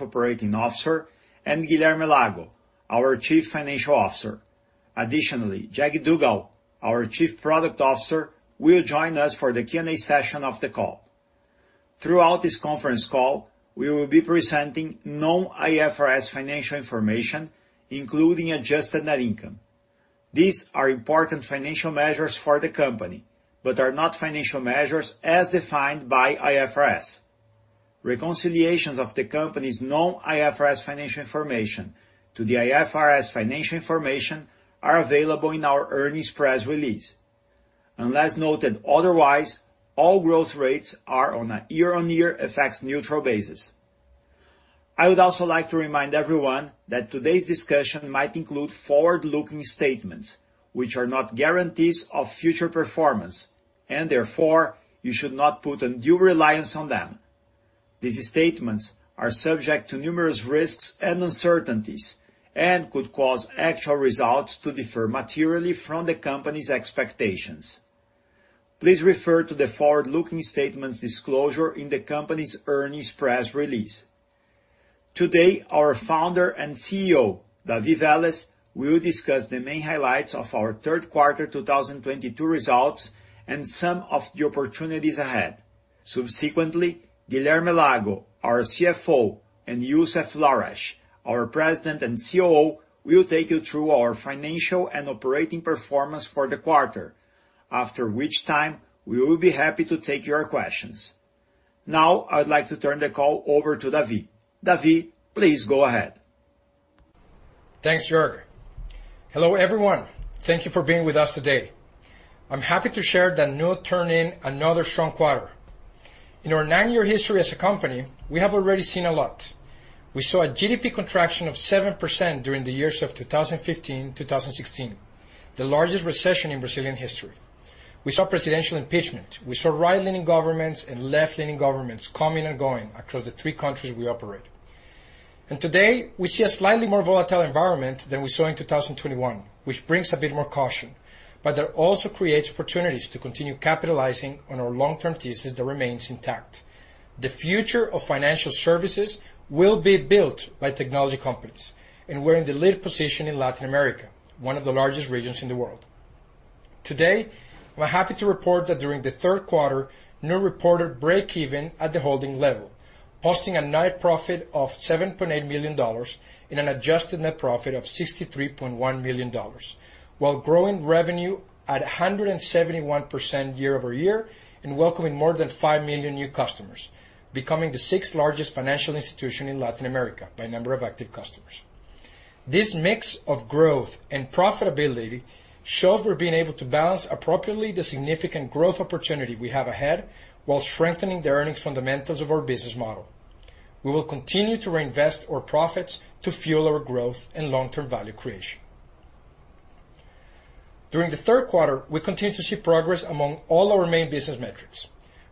Operating Officer and Guilherme Lago, our Chief Financial Officer. Additionally, Jag Duggal, our Chief Product Officer, will join us for the Q&A session of the call. Throughout this conference call, we will be presenting non-IFRS financial information, including adjusted net income. These are important financial measures for the company, but are not financial measures as defined by IFRS. Reconciliations of the company's non-IFRS financial information to the IFRS financial information are available in our earnings press release. Unless noted otherwise, all growth rates are on a year-over-year FX-neutral basis. I would also like to remind everyone that today's discussion might include forward-looking statements which are not guarantees of future performance, and therefore, you should not put undue reliance on them. These statements are subject to numerous risks and uncertainties and could cause actual results to differ materially from the company's expectations. Please refer to the forward-looking statements disclosure in the company's earnings press release. Today, our Founder and CEO, David Vélez, will discuss the main highlights of our Q3 2022 results and some of the opportunities ahead. Subsequently, Guilherme Lago, our CFO, and Youssef Lahrech, our President and COO, will take you through our financial and operating performance for the quarter, after which time we will be happy to take your questions. Now, I would like to turn the call over to David. David, please go ahead. Thanks, Jörg. Hello, everyone. Thank you for being with us today. I'm happy to share that Nu turned in another strong quarter. In our 9-year history as a company, we have already seen a lot. We saw a GDP contraction of 7% during the years of 2015, 2016, the largest recession in Brazilian history. We saw presidential impeachment. We saw right-leaning governments and left-leaning governments coming and going across the 3 countries we operate. Today, we see a slightly more volatile environment than we saw in 2021, which brings a bit more caution, but that also creates opportunities to continue capitalizing on our long-term thesis that remains intact. The future of financial services will be built by technology companies, and we're in the lead position in Latin America, one of the largest regions in the world. Today, we're happy to report that during the Q3, Nu reported breakeven at the holding level, posting a net profit of $7.8 million in an adjusted net profit of $63.1 million, while growing revenue at 171% year-over-year and welcoming more than 5 million new customers, becoming the sixth largest financial institution in Latin America by number of active customers. This mix of growth and profitability shows we're being able to balance appropriately the significant growth opportunity we have ahead while strengthening the earnings fundamentals of our business model. We will continue to reinvest our profits to fuel our growth and long-term value creation. During the Q3, we continued to see progress among all our main business metrics.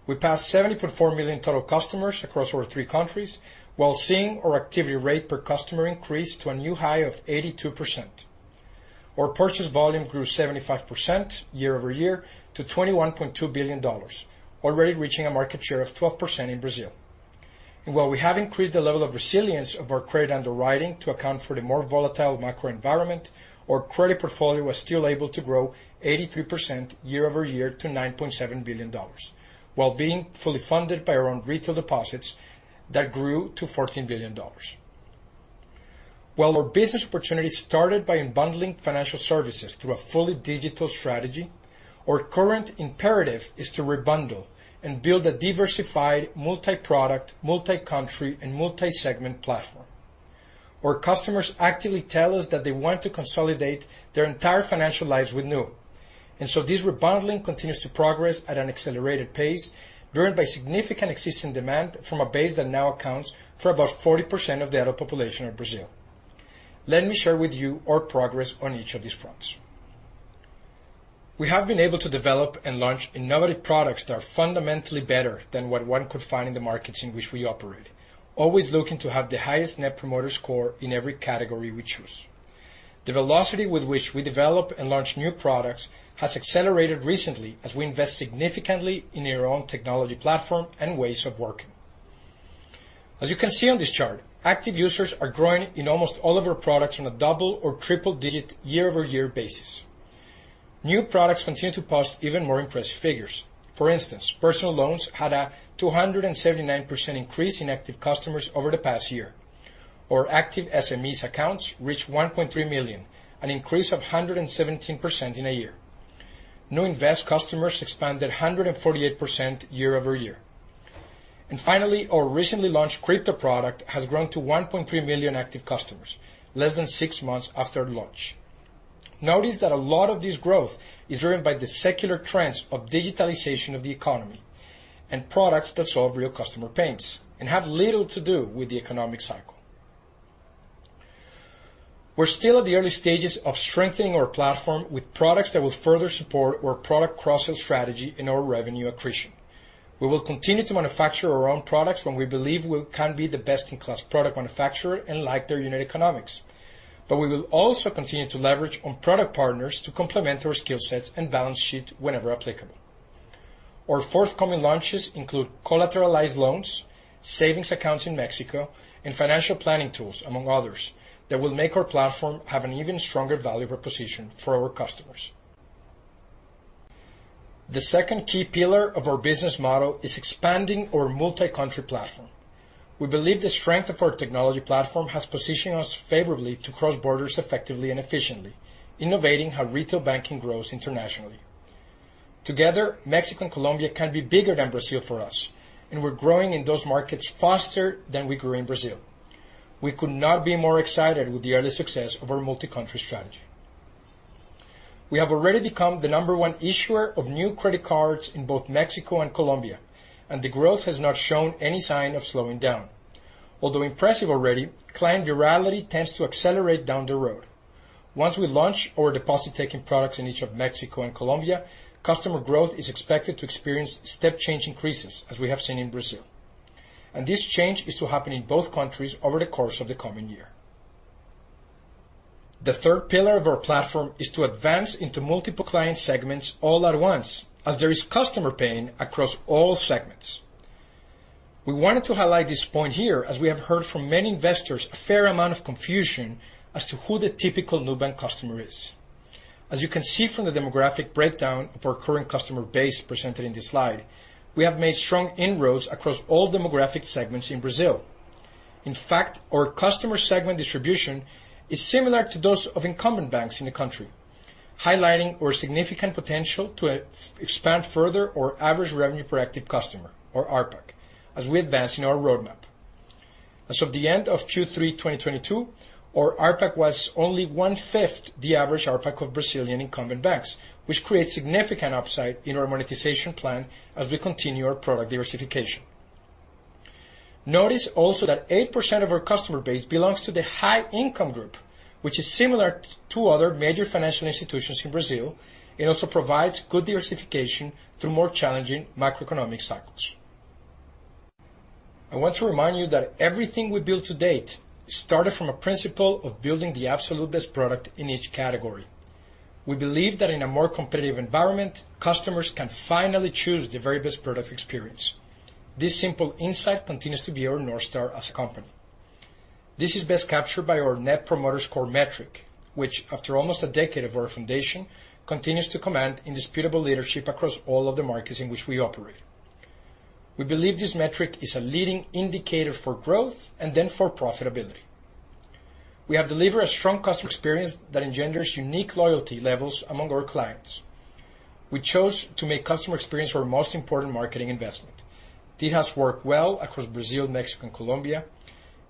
We passed 74 million total customers across our three countries, while seeing our activity rate per customer increase to a new high of 82%. Our purchase volume grew 75% year-over-year to $21.2 billion, already reaching a market share of 12% in Brazil. While we have increased the level of resilience of our credit underwriting to account for the more volatile macro environment, our credit portfolio was still able to grow 83% year-over-year to $9.7 billion, while being fully funded by our own retail deposits that grew to $14 billion. While our business opportunity started by unbundling financial services through a fully digital strategy, our current imperative is to rebundle and build a diversified multi-product, multi-country and multi-segment platform. Our customers actively tell us that they want to consolidate their entire financial lives with Nu. This rebundling continues to progress at an accelerated pace, driven by significant existing demand from a base that now accounts for about 40% of the adult population of Brazil. Let me share with you our progress on each of these fronts. We have been able to develop and launch innovative products that are fundamentally better than what one could find in the markets in which we operate, always looking to have the highest Net Promoter Score in every category we choose. The velocity with which we develop and launch new products has accelerated recently as we invest significantly in our own technology platform and ways of working. As you can see on this chart, active users are growing in almost all of our products on a double- or triple-digit year-over-year basis. New products continue to post even more impressive figures. For instance, personal loans had a 279% increase in active customers over the past year. Our active SMEs accounts reached 1.3 million, an increase of 117% in a year. NuInvest customers expanded 148% year-over-year. Finally, our recently launched crypto product has grown to 1.3 million active customers less than six months after launch. Notice that a lot of this growth is driven by the secular trends of digitalization of the economy and products that solve real customer pains and have little to do with the economic cycle. We're still at the early stages of strengthening our platform with products that will further support our product cross-sell strategy and our revenue accretion. We will continue to manufacture our own products when we believe we can be the best-in-class product manufacturer and like their unit economics. We will also continue to leverage on product partners to complement our skill sets and balance sheet whenever applicable. Our forthcoming launches include collateralized loans, savings accounts in Mexico, and financial planning tools among others that will make our platform have an even stronger value proposition for our customers. The second key pillar of our business model is expanding our multi-country platform. We believe the strength of our technology platform has positioned us favorably to cross borders effectively and efficiently, innovating how retail banking grows internationally. Together, Mexico and Colombia can be bigger than Brazil for us, and we're growing in those markets faster than we grew in Brazil. We could not be more excited with the early success of our multi-country strategy. We have already become the number one issuer of new credit cards in both Mexico and Colombia, and the growth has not shown any sign of slowing down. Although impressive already, client virality tends to accelerate down the road. Once we launch our deposit-taking products in each of Mexico and Colombia, customer growth is expected to experience step change increases as we have seen in Brazil. This change is to happen in both countries over the course of the coming year. The third pillar of our platform is to advance into multiple client segments all at once as there is customer pain across all segments. We wanted to highlight this point here as we have heard from many investors a fair amount of confusion as to who the typical Nubank customer is. As you can see from the demographic breakdown of our current customer base presented in this slide, we have made strong inroads across all demographic segments in Brazil. In fact, our customer segment distribution is similar to those of incumbent banks in the country, highlighting our significant potential to expand further our average revenue per active customer or ARPAC as we advance in our roadmap. As of the end of Q3 2022, our ARPAC was only one-fifth the average ARPAC of Brazilian incumbent banks, which creates significant upside in our monetization plan as we continue our product diversification. Notice also that 8% of our customer base belongs to the high income group, which is similar to two other major financial institutions in Brazil. It also provides good diversification through more challenging macroeconomic cycles. I want to remind you that everything we built to date started from a principle of building the absolute best product in each category. We believe that in a more competitive environment, customers can finally choose the very best product experience. This simple insight continues to be our North Star as a company. This is best captured by our Net Promoter Score metric, which after almost a decade of our foundation, continues to command indisputable leadership across all of the markets in which we operate. We believe this metric is a leading indicator for growth and then for profitability. We have delivered a strong customer experience that engenders unique loyalty levels among our clients. We chose to make customer experience our most important marketing investment. It has worked well across Brazil, Mexico, and Colombia.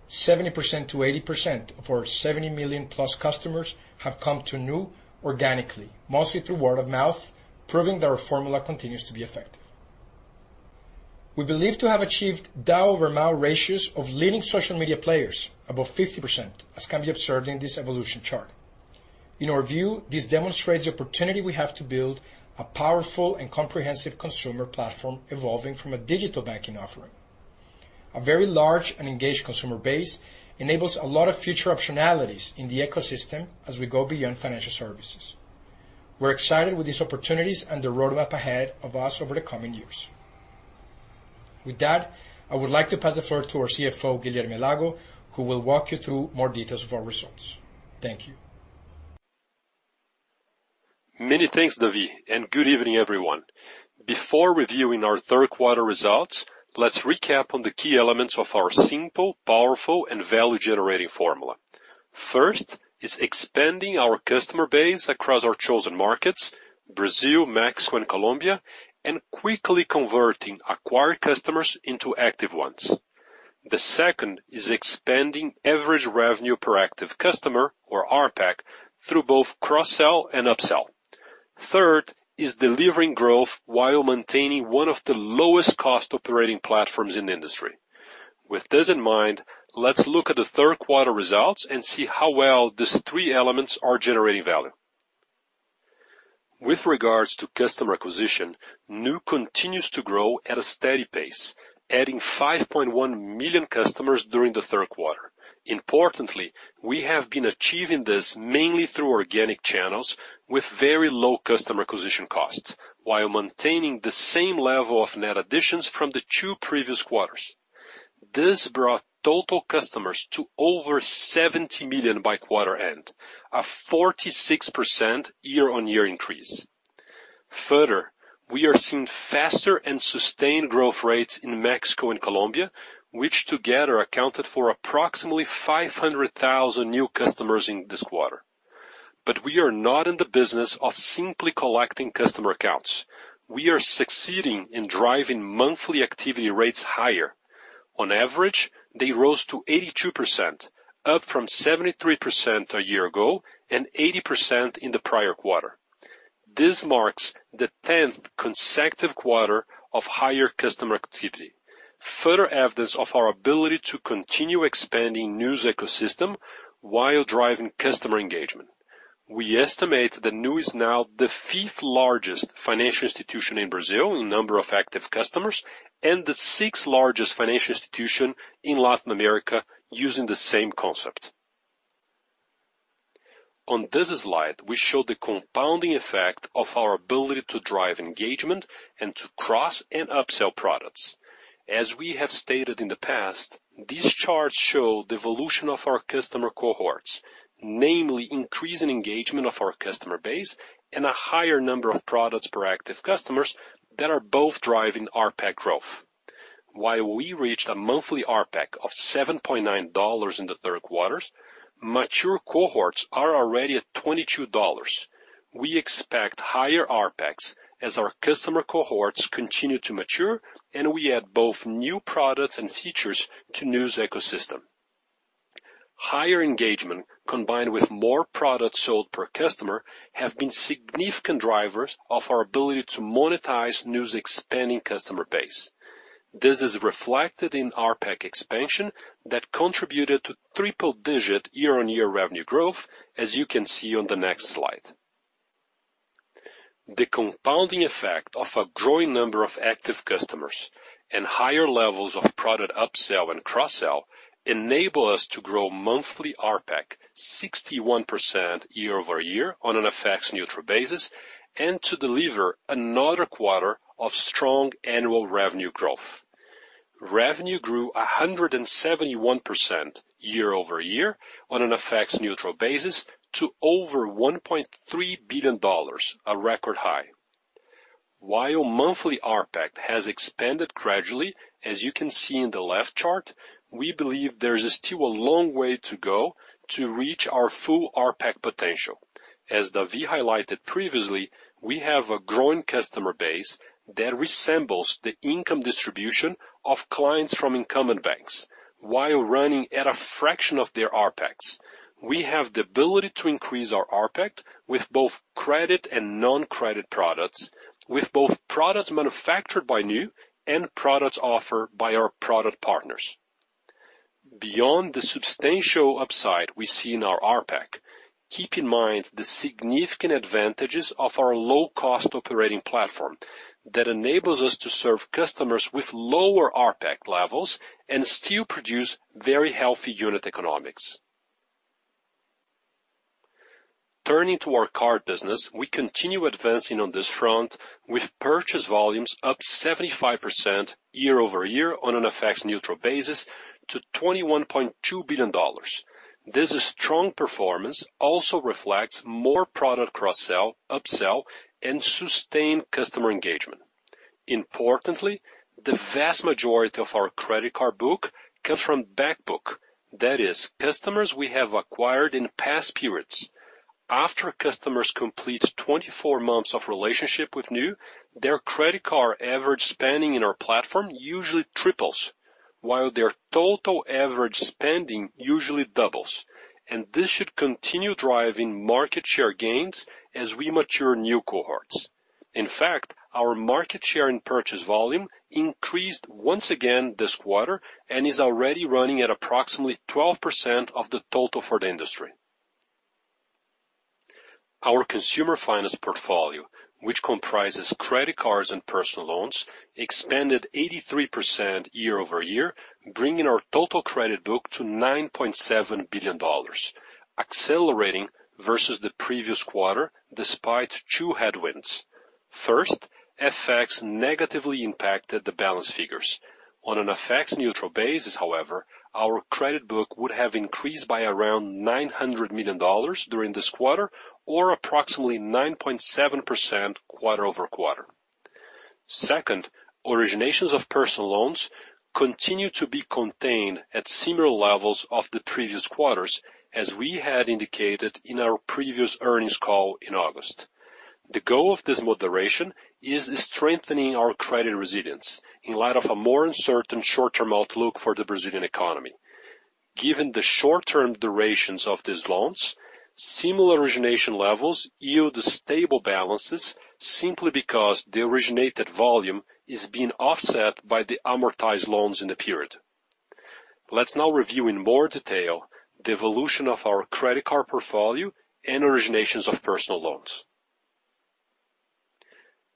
70%-80% of our 70 million-plus customers have come to Nu organically, mostly through word of mouth, proving that our formula continues to be effective. We believe to have achieved DAU over MAU ratios of leading social media players above 50%, as can be observed in this evolution chart. In our view, this demonstrates the opportunity we have to build a powerful and comprehensive consumer platform evolving from a digital banking offering. A very large and engaged consumer base enables a lot of future optionalities in the ecosystem as we go beyond financial services. We're excited with these opportunities and the roadmap ahead of us over the coming years. With that, I would like to pass the floor to our CFO, Guilherme Lago, who will walk you through more details of our results. Thank you. Many thanks, David, and good evening, everyone. Before reviewing our Q3 results, let's recap on the key elements of our simple, powerful, and value-generating formula. First is expanding our customer base across our chosen markets, Brazil, Mexico, and Colombia, and quickly converting acquired customers into active ones. The second is expanding average revenue per active customer or ARPAC through both cross-sell and upsell. Third is delivering growth while maintaining one of the lowest cost operating platforms in the industry. With this in mind, let's look at the Q3 results and see how well these three elements are generating value. With regards to customer acquisition, Nu continues to grow at a steady pace, adding 5.1 million customers during the Q3. Importantly, we have been achieving this mainly through organic channels with very low customer acquisition costs while maintaining the same level of net additions from the two previous quarters. This brought total customers to over 70 million by quarter end, a 46% year-on-year increase. Further, we are seeing faster and sustained growth rates in Mexico and Colombia, which together accounted for approximately 500,000 new customers in this quarter. We are not in the business of simply collecting customer accounts. We are succeeding in driving monthly activity rates higher. On average, they rose to 82%, up from 73% a year ago and 80% in the prior quarter. This marks the 10th consecutive quarter of higher customer activity. Further evidence of our ability to continue expanding Nu's ecosystem while driving customer engagement. We estimate that Nu is now the fifth largest financial institution in Brazil in number of active customers and the sixth largest financial institution in Latin America using the same concept. On this slide, we show the compounding effect of our ability to drive engagement and to cross and upsell products. As we have stated in the past, these charts show the evolution of our customer cohorts, namely increasing engagement of our customer base and a higher number of products per active customers that are both driving RPAC growth. While we reached a monthly RPAC of $7.9 in the Q3, mature cohorts are already at $22. We expect higher RPACs as our customer cohorts continue to mature and we add both new products and features to Nu's ecosystem. Higher engagement combined with more products sold per customer have been significant drivers of our ability to monetize Nu's expanding customer base. This is reflected in RPAC expansion that contributed to triple-digit year-over-year revenue growth, as you can see on the next slide. The compounding effect of a growing number of active customers and higher levels of product upsell and cross-sell enable us to grow monthly RPAC 61% year-over-year on an FX-neutral basis and to deliver another quarter of strong annual revenue growth. Revenue grew 171% year-over-year on an FX-neutral basis to over $1.3 billion, a record high. While monthly RPAC has expanded gradually, as you can see in the left chart, we believe there's still a long way to go to reach our full RPAC potential. As David highlighted previously, we have a growing customer base that resembles the income distribution of clients from incumbent banks while running at a fraction of their RPACs. We have the ability to increase our RPAC with both credit and non-credit products, with both products manufactured by Nu and products offered by our product partners. Beyond the substantial upside we see in our RPAC, keep in mind the significant advantages of our low-cost operating platform that enables us to serve customers with lower RPAC levels and still produce very healthy unit economics. Turning to our card business, we continue advancing on this front with purchase volumes up 75% year-over-year on an FX-neutral basis to $21.2 billion. This strong performance also reflects more product cross-sell, upsell, and sustained customer engagement. Importantly, the vast majority of our credit card book comes from back book, that is customers we have acquired in past periods. After customers complete 24 months of relationship with Nu, their credit card average spending in our platform usually triples while their total average spending usually doubles. This should continue driving market share gains as we mature new cohorts. In fact, our market share in purchase volume increased once again this quarter and is already running at approximately 12% of the total for the industry. Our consumer finance portfolio, which comprises credit cards and personal loans, expanded 83% year-over-year, bringing our total credit book to $9.7 billion, accelerating versus the previous quarter despite two headwinds. First, FX negatively impacted the balance figures. On an FX-neutral basis, however, our credit book would have increased by around $900 million during this quarter or approximately 9.7% quarter-over-quarter. Second, originations of personal loans continue to be contained at similar levels of the previous quarters as we had indicated in our previous earnings call in August. The goal of this moderation is strengthening our credit resilience in light of a more uncertain short-term outlook for the Brazilian economy. Given the short-term durations of these loans, similar origination levels yield stable balances simply because the originated volume is being offset by the amortized loans in the period. Let's now review in more detail the evolution of our credit card portfolio and originations of personal loans.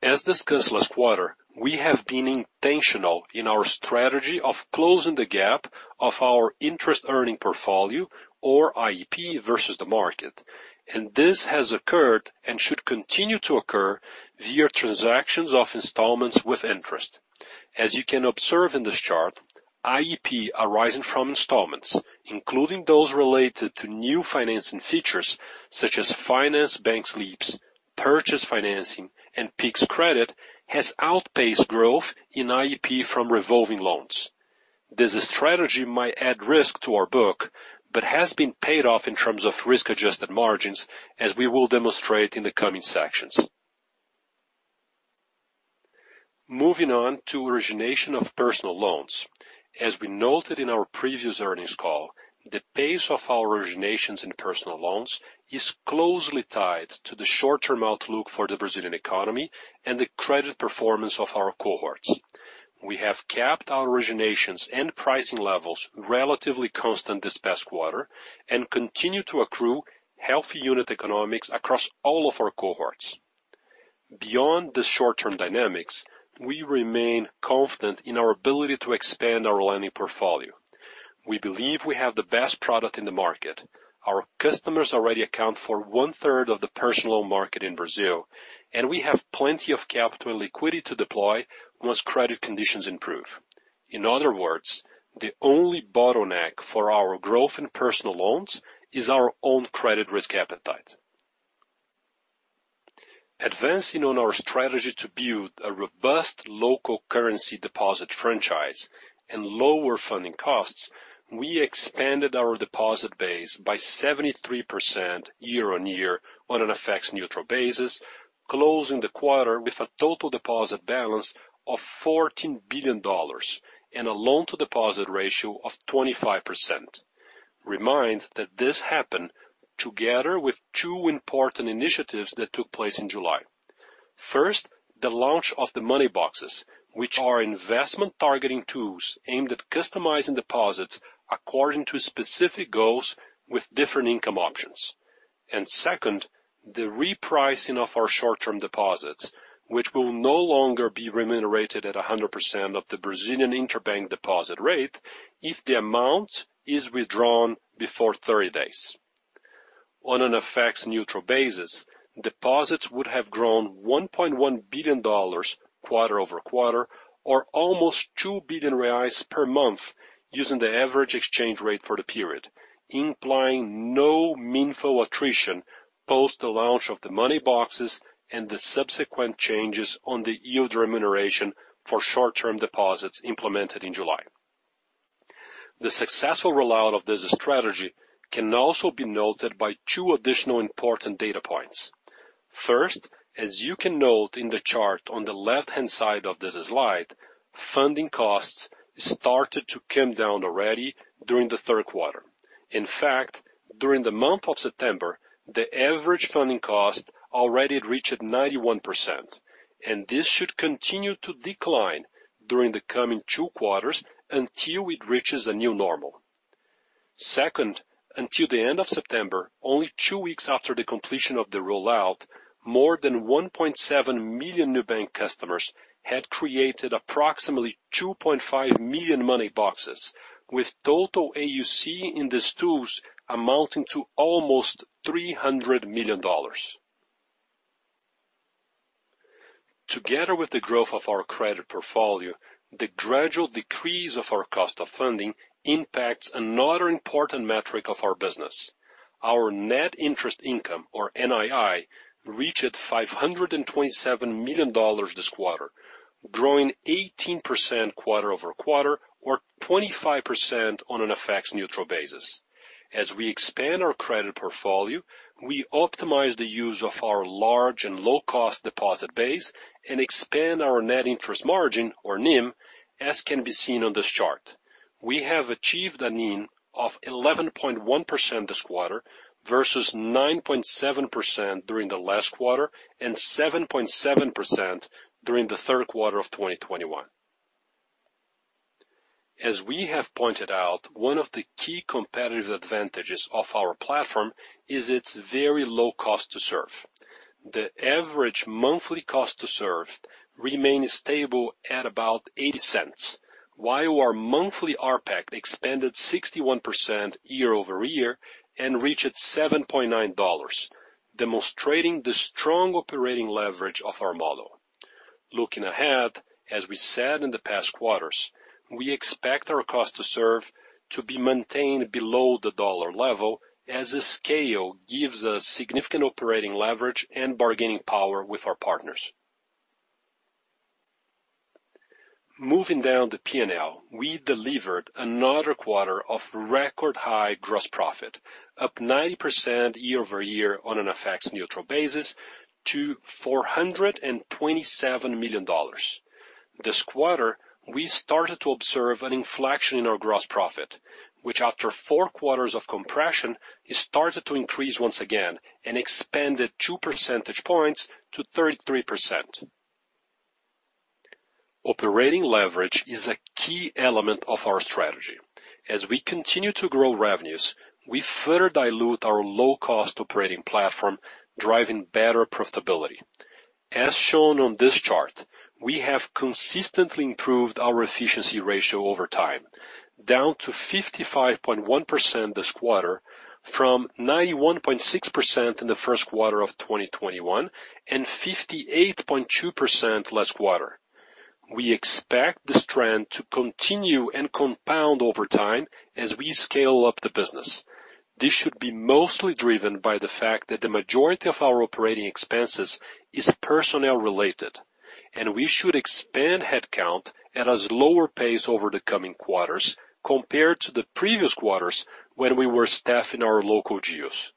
As discussed last quarter, we have been intentional in our strategy of closing the gap of our interest-earning portfolio or IEP versus the market. This has occurred and should continue to occur via transactions of installments with interest. As you can observe in this chart, IEP arising from installments, including those related to new financing features such as Boleto financing, Pix, purchase financing, and Pix credit has outpaced growth in IEP from revolving loans. This strategy might add risk to our book, but has been paid off in terms of risk-adjusted margins as we will demonstrate in the coming sections. Moving on to origination of personal loans. As we noted in our previous earnings call, the pace of our originations in personal loans is closely tied to the short-term outlook for the Brazilian economy and the credit performance of our cohorts. We have capped our originations and pricing levels relatively constant this past quarter and continue to accrue healthy unit economics across all of our cohorts. Beyond the short-term dynamics, we remain confident in our ability to expand our lending portfolio. We believe we have the best product in the market. Our customers already account for 1/3 of the personal market in Brazil, and we have plenty of capital liquidity to deploy once credit conditions improve. In other words, the only bottleneck for our growth in personal loans is our own credit risk appetite. Advancing on our strategy to build a robust local currency deposit franchise and lower funding costs, we expanded our deposit base by 73% year-on-year on an FX-neutral basis, closing the quarter with a total deposit balance of $14 billion and a loan to deposit ratio of 25%. Remember that this happened together with two important initiatives that took place in July. First, the launch of the Money Boxes, which are investment targeting tools aimed at customizing deposits according to specific goals with different income options. Second, the repricing of our short-term deposits, which will no longer be remunerated at 100% of the Brazilian interbank deposit rate if the amount is withdrawn before 30 days. On an FX-neutral basis, deposits would have grown $1.1 billion quarter-over-quarter or almost 2 billion reais per month using the average exchange rate for the period, implying no net flow attrition post the launch of the Money Boxes and the subsequent changes on the yield remuneration for short-term deposits implemented in July. The successful rollout of this strategy can also be noted by two additional important data points. First, as you can note in the chart on the left-hand side of this slide, funding costs started to come down already during the Q3. In fact, during the month of September, the average funding cost already reached 91%, and this should continue to decline during the coming two quarters until it reaches a new normal. Second, until the end of September, only two weeks after the completion of the rollout, more than 1.7 million Nubank customers had created approximately 2.5 million Money Boxes, with total AUC in these tools amounting to almost $300 million. Together with the growth of our credit portfolio, the gradual decrease of our cost of funding impacts another important metric of our business. Our net interest income or NII reached $527 million this quarter, growing 18% quarter-over-quarter or 25% on an FX-neutral basis. As we expand our credit portfolio, we optimize the use of our large and low-cost deposit base and expand our net interest margin or NIM, as can be seen on this chart. We have achieved a NIM of 11.1% this quarter versus 9.7% during the last quarter and 7.7% during the Q3 of 2021. As we have pointed out, one of the key competitive advantages of our platform is its very low cost to serve. The average monthly cost to serve remains stable at about $0.80, while our monthly RPAC expanded 61% year-over-year and reached $7.9, demonstrating the strong operating leverage of our model. Looking ahead, as we said in the past quarters, we expect our cost to serve to be maintained below the dollar level as the scale gives us significant operating leverage and bargaining power with our partners. Moving down the P&L, we delivered another quarter of record high gross profit, up 90% year-over-year on an FX-neutral basis to $427 million. This quarter, we started to observe an inflection in our gross profit, which after four quarters of compression, it started to increase once again and expanded two percentage points to 33%. Operating leverage is a key element of our strategy. As we continue to grow revenues, we further dilute our low-cost operating platform, driving better profitability. As shown on this chart, we have consistently improved our efficiency ratio over time, down to 55.1% this quarter from 91.6% in the Q1 of 2021 and 58.2% last quarter. We expect this trend to continue and compound over time as we scale up the business. This should be mostly driven by the fact that the majority of our operating expenses is personnel-related, and we should expand headcount at a slower pace over the coming quarters compared to the previous quarters when we were staffing our local geos.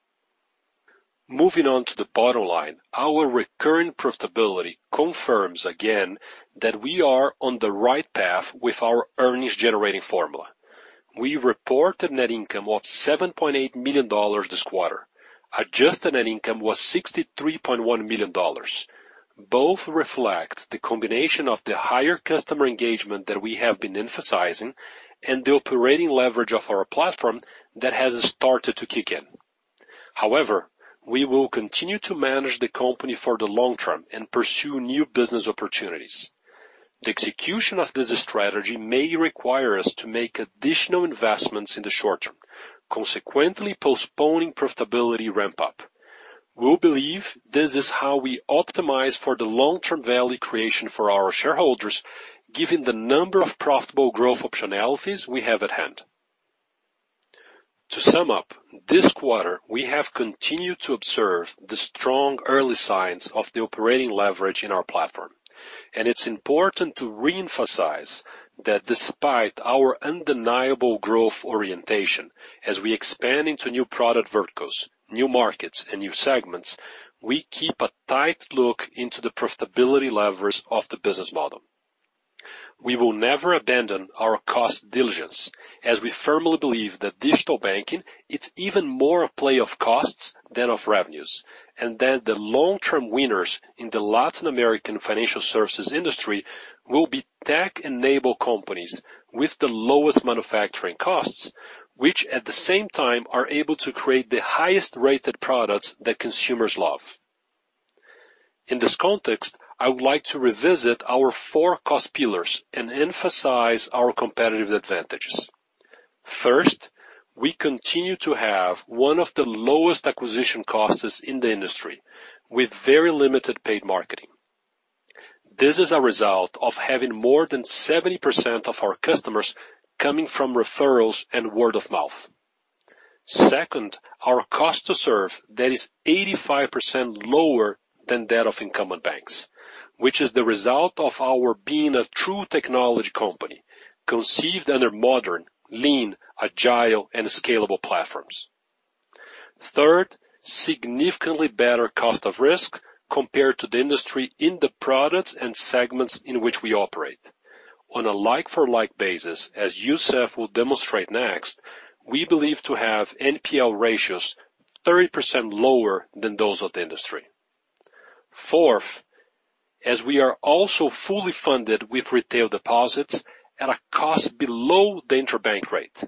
Moving on to the bottom line, our recurring profitability confirms again that we are on the right path with our earnings generating formula. We reported net income of $7.8 million this quarter. Adjusted net income was $63.1 million. Both reflect the combination of the higher customer engagement that we have been emphasizing and the operating leverage of our platform that has started to kick in. However, we will continue to manage the company for the long term and pursue new business opportunities. The execution of this strategy may require us to make additional investments in the short term, consequently postponing profitability ramp up. We believe this is how we optimize for the long-term value creation for our shareholders, given the number of profitable growth optionalities we have at hand. To sum up, this quarter, we have continued to observe the strong early signs of the operating leverage in our platform. It's important to re-emphasize that despite our undeniable growth orientation as we expand into new product verticals, new markets and new segments, we keep a tight look into the profitability levers of the business model. We will never abandon our cost diligence, as we firmly believe that digital banking is even more a play of costs than of revenues, and that the long-term winners in the Latin American financial services industry will be tech-enabled companies with the lowest manufacturing costs, which at the same time are able to create the highest rated products that consumers love. In this context, I would like to revisit our four cost pillars and emphasize our competitive advantages. First, we continue to have one of the lowest acquisition costs in the industry with very limited paid marketing. This is a result of having more than 70% of our customers coming from referrals and word of mouth. Second, our cost to serve that is 85% lower than that of incumbent banks, which is the result of our being a true technology company conceived under modern, lean, agile, and scalable platforms. Third, significantly better cost of risk compared to the industry in the products and segments in which we operate. On a like-for-like basis, as Youssef will demonstrate next, we believe to have NPL ratios 30% lower than those of the industry. Fourth, as we are also fully funded with retail deposits at a cost below the interbank rate,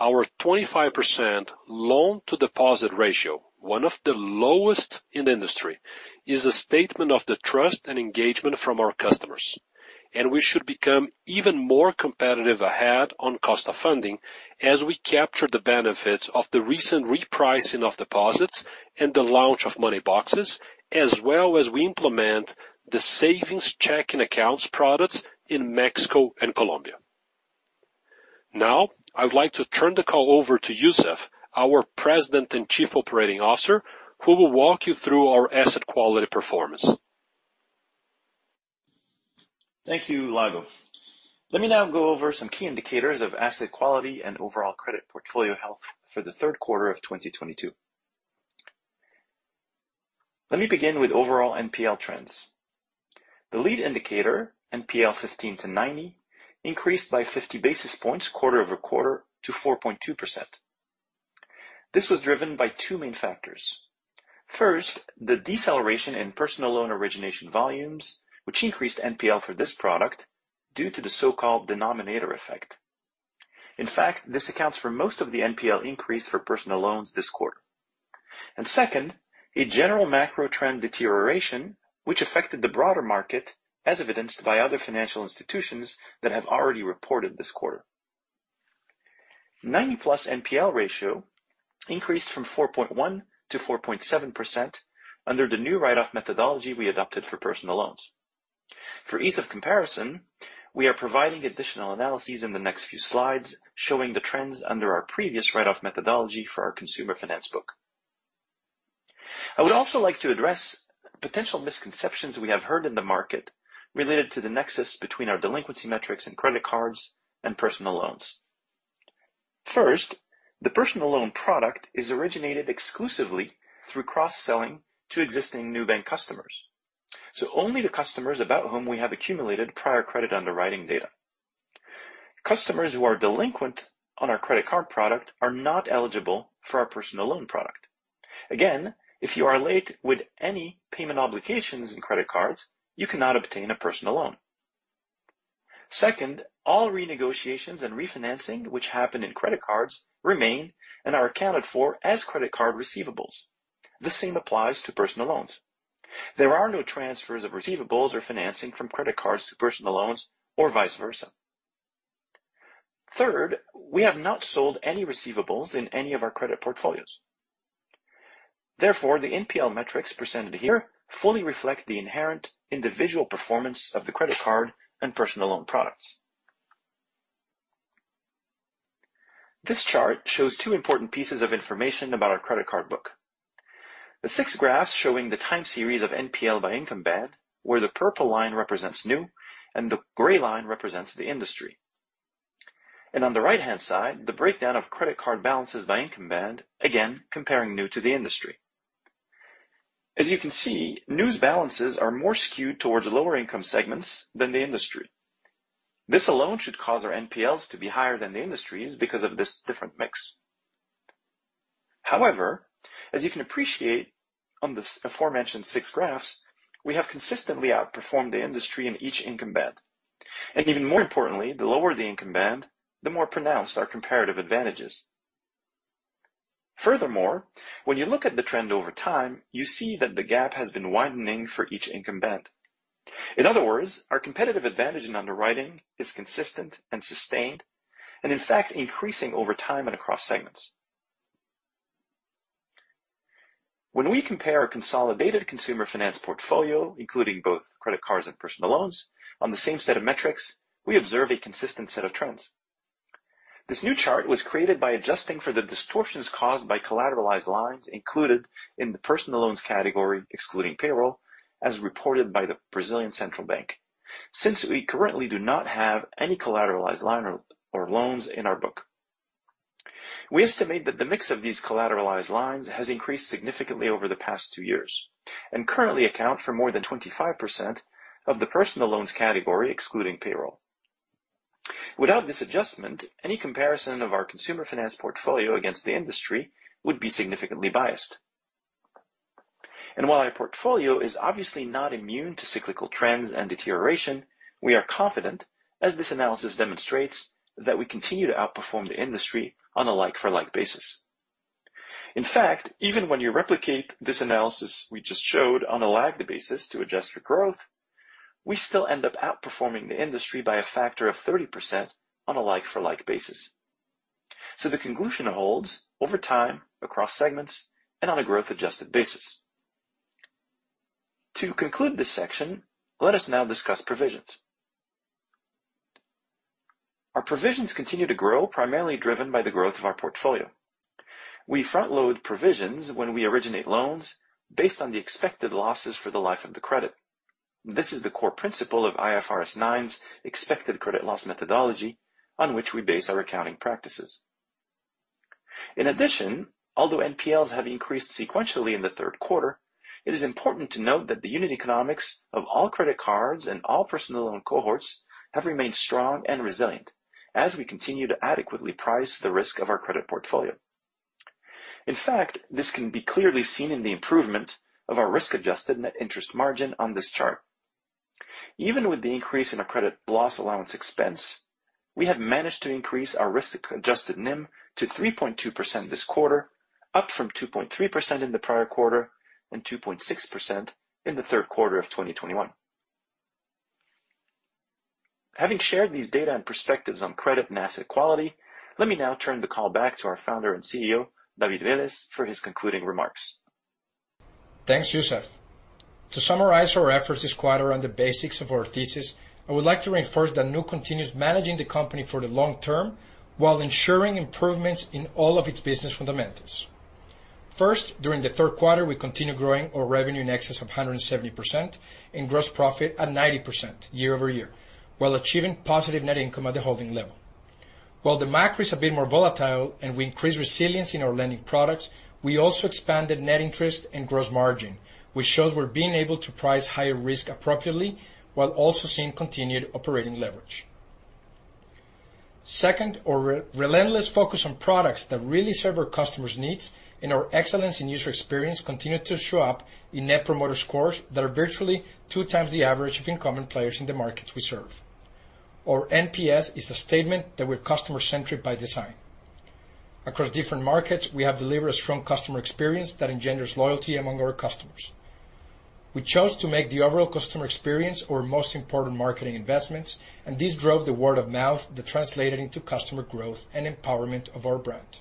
our 25% loan to deposit ratio, one of the lowest in the industry, is a statement of the trust and engagement from our customers, and we should become even more competitive ahead on cost of funding as we capture the benefits of the recent repricing of deposits and the launch of Money Boxes, as well as we implement the savings checking accounts products in Mexico and Colombia. Now, I would like to turn the call over to Youssef, our President and Chief Operating Officer, who will walk you through our asset quality performance. Thank you, Lago. Let me now go over some key indicators of asset quality and overall credit portfolio health for the Q3 of 2022. Let me begin with overall NPL trends. The lead indicator, NPL 15-90, increased by 50 basis points quarter-over-quarter to 4.2%. This was driven by two main factors. First, the deceleration in personal loan origination volumes, which increased NPL for this product due to the so-called denominator effect. In fact, this accounts for most of the NPL increase for personal loans this quarter. Second, a general macro trend deterioration, which affected the broader market as evidenced by other financial institutions that have already reported this quarter. 90+ NPL ratio increased from 4.1%-4.7% under the new write-off methodology we adopted for personal loans. For ease of comparison, we are providing additional analyses in the next few slides showing the trends under our previous write-off methodology for our consumer finance book. I would also like to address potential misconceptions we have heard in the market related to the nexus between our delinquency metrics and credit cards and personal loans. First, the personal loan product is originated exclusively through cross-selling to existing Nubank customers, so only to customers about whom we have accumulated prior credit underwriting data. Customers who are delinquent on our credit card product are not eligible for our personal loan product. Again, if you are late with any payment obligations in credit cards, you cannot obtain a personal loan. Second, all renegotiations and refinancing which happen in credit cards remain and are accounted for as credit card receivables. The same applies to personal loans. There are no transfers of receivables or financing from credit cards to personal loans or vice versa. Third, we have not sold any receivables in any of our credit portfolios. Therefore, the NPL metrics presented here fully reflect the inherent individual performance of the credit card and personal loan products. This chart shows two important pieces of information about our credit card book. The six graphs showing the time series of NPL by income band, where the purple line represents Nu, and the gray line represents the industry. On the right-hand side, the breakdown of credit card balances by income band, again comparing Nu to the industry. As you can see, Nu's balances are more skewed towards lower income segments than the industry. This alone should cause our NPLs to be higher than the industry's because of this different mix. However, as you can appreciate, on the aforementioned six graphs, we have consistently outperformed the industry in each income band. Even more importantly, the lower the income band, the more pronounced our comparative advantages. Furthermore, when you look at the trend over time, you see that the gap has been widening for each income band. In other words, our competitive advantage in underwriting is consistent and sustained, and in fact increasing over time and across segments. When we compare our consolidated consumer finance portfolio, including both credit cards and personal loans on the same set of metrics, we observe a consistent set of trends. This new chart was created by adjusting for the distortions caused by collateralized lines included in the personal loans category, excluding payroll, as reported by the Central Bank of Brazil. Since we currently do not have any collateralized line or loans in our book. We estimate that the mix of these collateralized lines has increased significantly over the past two years and currently account for more than 25% of the personal loans category, excluding payroll. Without this adjustment, any comparison of our consumer finance portfolio against the industry would be significantly biased. While our portfolio is obviously not immune to cyclical trends and deterioration, we are confident, as this analysis demonstrates, that we continue to outperform the industry on a like-for-like basis. In fact, even when you replicate this analysis we just showed on a lagged basis to adjust for growth, we still end up outperforming the industry by a factor of 30% on a like-for-like basis. The conclusion holds over time, across segments, and on a growth adjusted basis. To conclude this section, let us now discuss provisions. Our provisions continue to grow, primarily driven by the growth of our portfolio. We front-load provisions when we originate loans based on the expected losses for the life of the credit. This is the core principle of IFRS 9's expected credit loss methodology on which we base our accounting practices. In addition, although NPLs have increased sequentially in the Q3, it is important to note that the unit economics of all credit cards and all personal loan cohorts have remained strong and resilient as we continue to adequately price the risk of our credit portfolio. In fact, this can be clearly seen in the improvement of our risk-adjusted net interest margin on this chart. Even with the increase in our credit loss allowance expense, we have managed to increase our risk-adjusted NIM to 3.2% this quarter, up from 2.3% in the prior quarter and 2.6% in the Q3 of 2021. Having shared these data and perspectives on credit and asset quality, let me now turn the call back to our founder and CEO, David Vélez, for his concluding remarks. Thanks, Youssef. To summarize our efforts this quarter on the basics of our thesis, I would like to reinforce that Nu continues managing the company for the long term while ensuring improvements in all of its business fundamentals. First, during the Q3, we continued growing our revenue in excess of 170% and gross profit at 90% year-over-year, while achieving positive net income at the holding level. While the macro is a bit more volatile and we increase resilience in our lending products, we also expanded net interest and gross margin, which shows we're being able to price higher risk appropriately while also seeing continued operating leverage. Second, our relentless focus on products that really serve our customers' needs and our excellence in user experience continued to show up in net promoter scores that are virtually 2 times the average of incumbent players in the markets we serve. Our NPS is a statement that we're customer centric by design. Across different markets, we have delivered a strong customer experience that engenders loyalty among our customers. We chose to make the overall customer experience our most important marketing investments, and this drove the word of mouth that translated into customer growth and empowerment of our brand.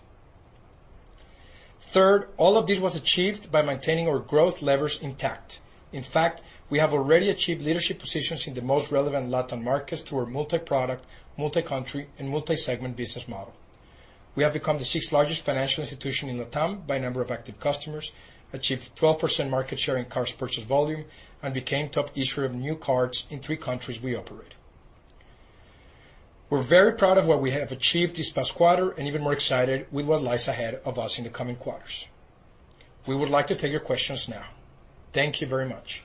Third, all of this was achieved by maintaining our growth levers intact. In fact, we have already achieved leadership positions in the most relevant LatAm markets through our multi-product, multi-country, and multi-segment business model. We have become the sixth largest financial institution in LatAm by number of active customers, achieved 12% market share in card purchase volume, and became top issuer of new cards in 3 countries we operate. We're very proud of what we have achieved this past quarter and even more excited with what lies ahead of us in the coming quarters. We would like to take your questions now. Thank you very much.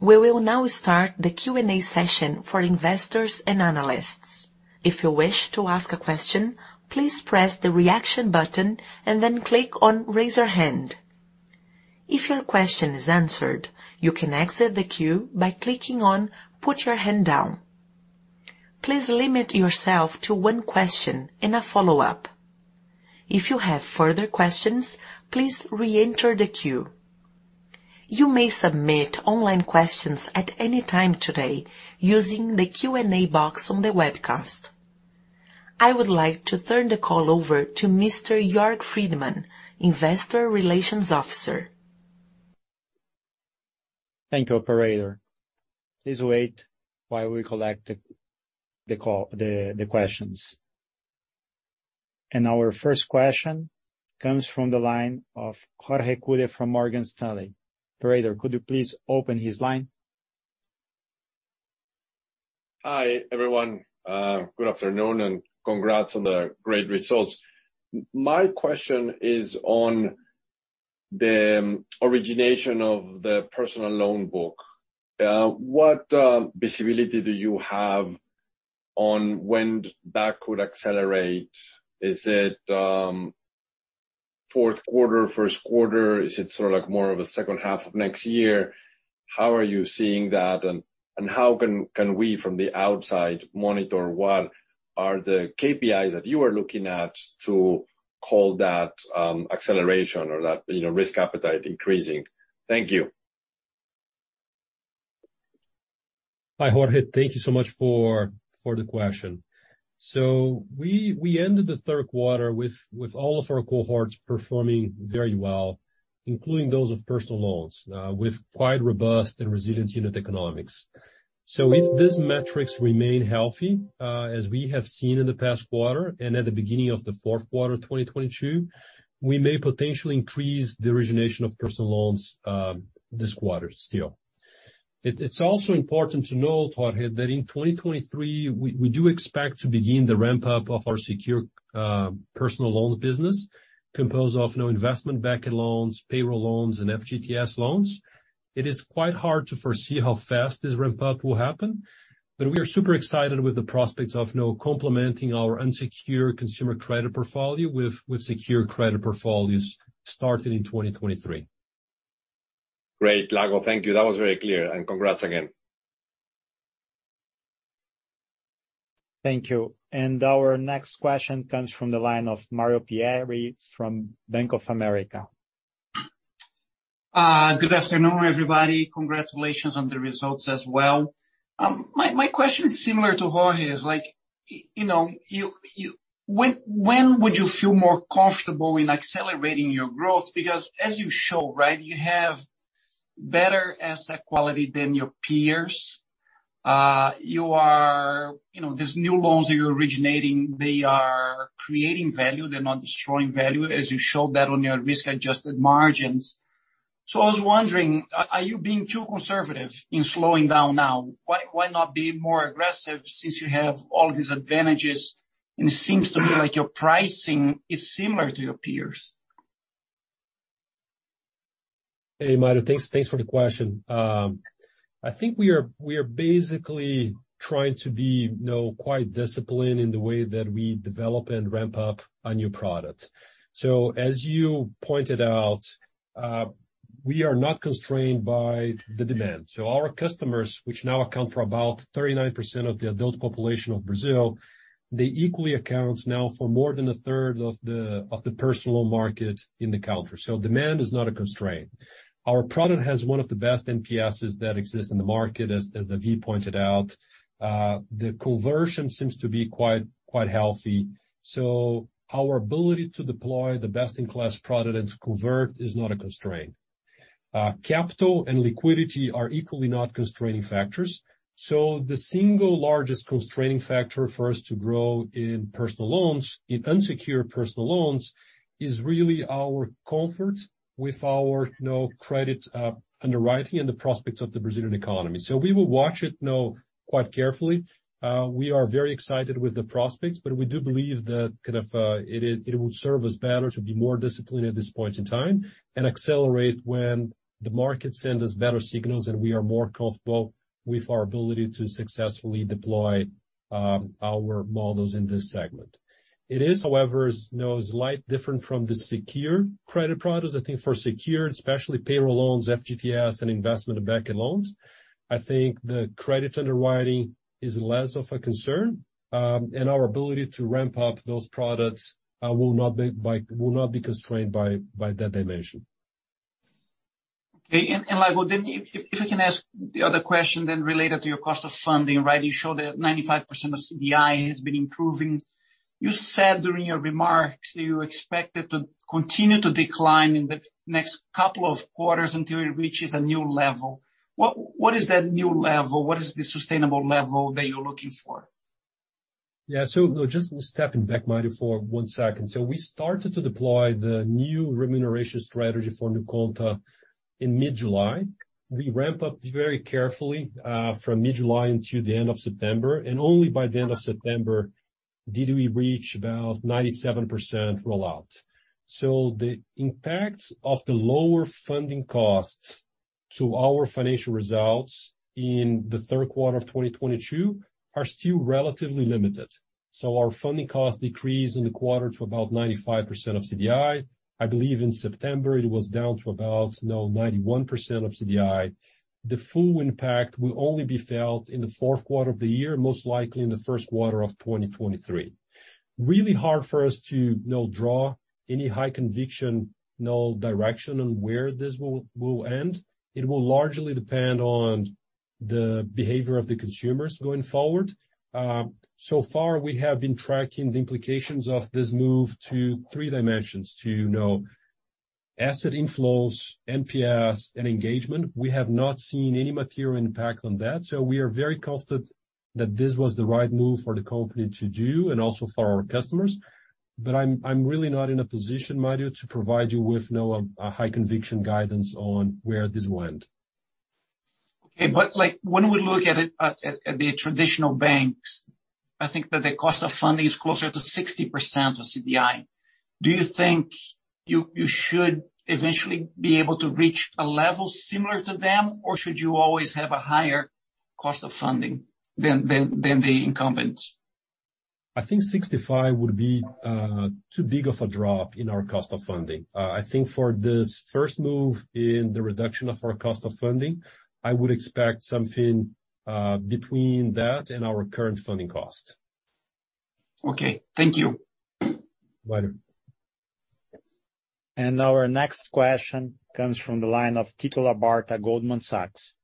We will now start the Q&A session for investors and analysts. If you wish to ask a question, please press the Reaction button and then click on Raise Your Hand. If your question is answered, you can exit the queue by clicking on Put Your Hand Down. Please limit yourself to one question and a follow-up. If you have further questions, please reenter the queue. You may submit online questions at any time today using the Q&A box on the webcast. I would like to turn the call over to Mr. Jörg Friedemann, Investor Relations Officer. Thank you, operator. Please wait while we collect the questions. Our first question comes from the line of Jorge Kuri from Morgan Stanley. Operator, could you please open his line? Hi, everyone, good afternoon and congrats on the great results. My question is on the origination of the personal loan book. What visibility do you have On when that could accelerate? Is it Q4, Q1? Is it sort of like more of a second half of next year? How are you seeing that? How can we from the outside monitor what are the KPIs that you are looking at to call that acceleration or that, you know, risk appetite increasing? Thank you. Hi, Jorge. Thank you so much for the question. We ended the Q3 with all of our cohorts performing very well, including those with personal loans, with quite robust and resilient unit economics. If these metrics remain healthy, as we have seen in the past quarter, and at the beginning of the Q4 2022, we may potentially increase the origination of personal loans, this quarter still. It's also important to note, Jorge, that in 2023 we do expect to begin the ramp up of our secure personal loan business composed of no investment-backed loans, payroll loans and FGTS loans. It is quite hard to foresee how fast this ramp up will happen, but we are super excited with the prospects of now complementing our unsecured consumer credit portfolio with secure credit portfolios starting in 2023. Great, Lago. Thank you. That was very clear and congrats again. Thank you. Our next question comes from the line of Mario Pierry from Bank of America. Good afternoon, everybody. Congratulations on the results as well. My question is similar to Jorge's. Like, you know, when would you feel more comfortable in accelerating your growth? Because as you show, right, you have better asset quality than your peers. You know, these new loans that you're originating, they are creating value, they're not destroying value, as you showed that on your risk-adjusted margins. I was wondering, are you being too conservative in slowing down now? Why not be more aggressive since you have all these advantages and it seems to me like your pricing is similar to your peers? Hey, Mario. Thanks for the question. I think we are basically trying to be, you know, quite disciplined in the way that we develop and ramp up a new product. As you pointed out, we are not constrained by the demand. Our customers, which now account for about 39% of the adult population of Brazil, they equally account now for more than a third of the personal market in the country. Demand is not a constraint. Our product has one of the best NPS's that exist in the market, as David Vélez pointed out. The conversion seems to be quite healthy. Our ability to deploy the best-in-class product and to convert is not a constraint. Capital and liquidity are equally not constraining factors. The single largest constraining factor for us to grow in personal loans, in unsecured personal loans, is really our comfort with our, you know, credit, underwriting and the prospects of the Brazilian economy. We will watch it, you know, quite carefully. We are very excited with the prospects, but we do believe that kind of, it would serve us better to be more disciplined at this point in time and accelerate when the market send us better signals and we are more comfortable with our ability to successfully deploy, our models in this segment. It is, however, you know, slightly different from the secure credit products. I think for secure, especially payroll loans, FGTS and investment-backed loans, I think the credit underwriting is less of a concern. Our ability to ramp up those products will not be constrained by that dimension. Okay. Lago, then if I can ask the other question then related to your cost of funding, right? You showed that 95% of CDI has been improving. You said during your remarks you expect it to continue to decline in the next couple of quarters until it reaches a new level. What is that new level? What is the sustainable level that you're looking for? Yeah. Just stepping back, Mario, for one second. We started to deploy the new remuneration strategy for NuConta in mid-July. We ramp up very carefully from mid-July until the end of September, and only by the end of September did we reach about 97% rollout. The impact of the lower funding costs to our financial results in the Q3 of 2022 are still relatively limited. Our funding costs decreased in the quarter to about 95% of CDI. I believe in September it was down to about, you know, 91% of CDI. The full impact will only be felt in the Q4 of the year, most likely in the Q1 of 2023. Really hard for us to, you know, draw any high conviction, you know, direction on where this will end. It will largely depend on the behavior of the consumers going forward. So far we have been tracking the implications of this move to three dimensions, you know, asset inflows, NPS and engagement. We have not seen any material impact on that, so we are very confident that this was the right move for the company to do and also for our customers. I'm really not in a position, Mario, to provide you with, you know, a high conviction guidance on where this will end. Okay. Like, when we look at the traditional banks, I think that the cost of funding is closer to 60% of CDI. Do you think you should eventually be able to reach a level similar to them or should you always have a higher cost of funding than the incumbents? I think 65% would be too big of a drop in our cost of funding. I think for this first move in the reduction of our cost of funding, I would expect something between that and our current funding cost. Okay, thank you. You're welcome. Our next question comes from the line of Tito Labarta, Goldman Sachs.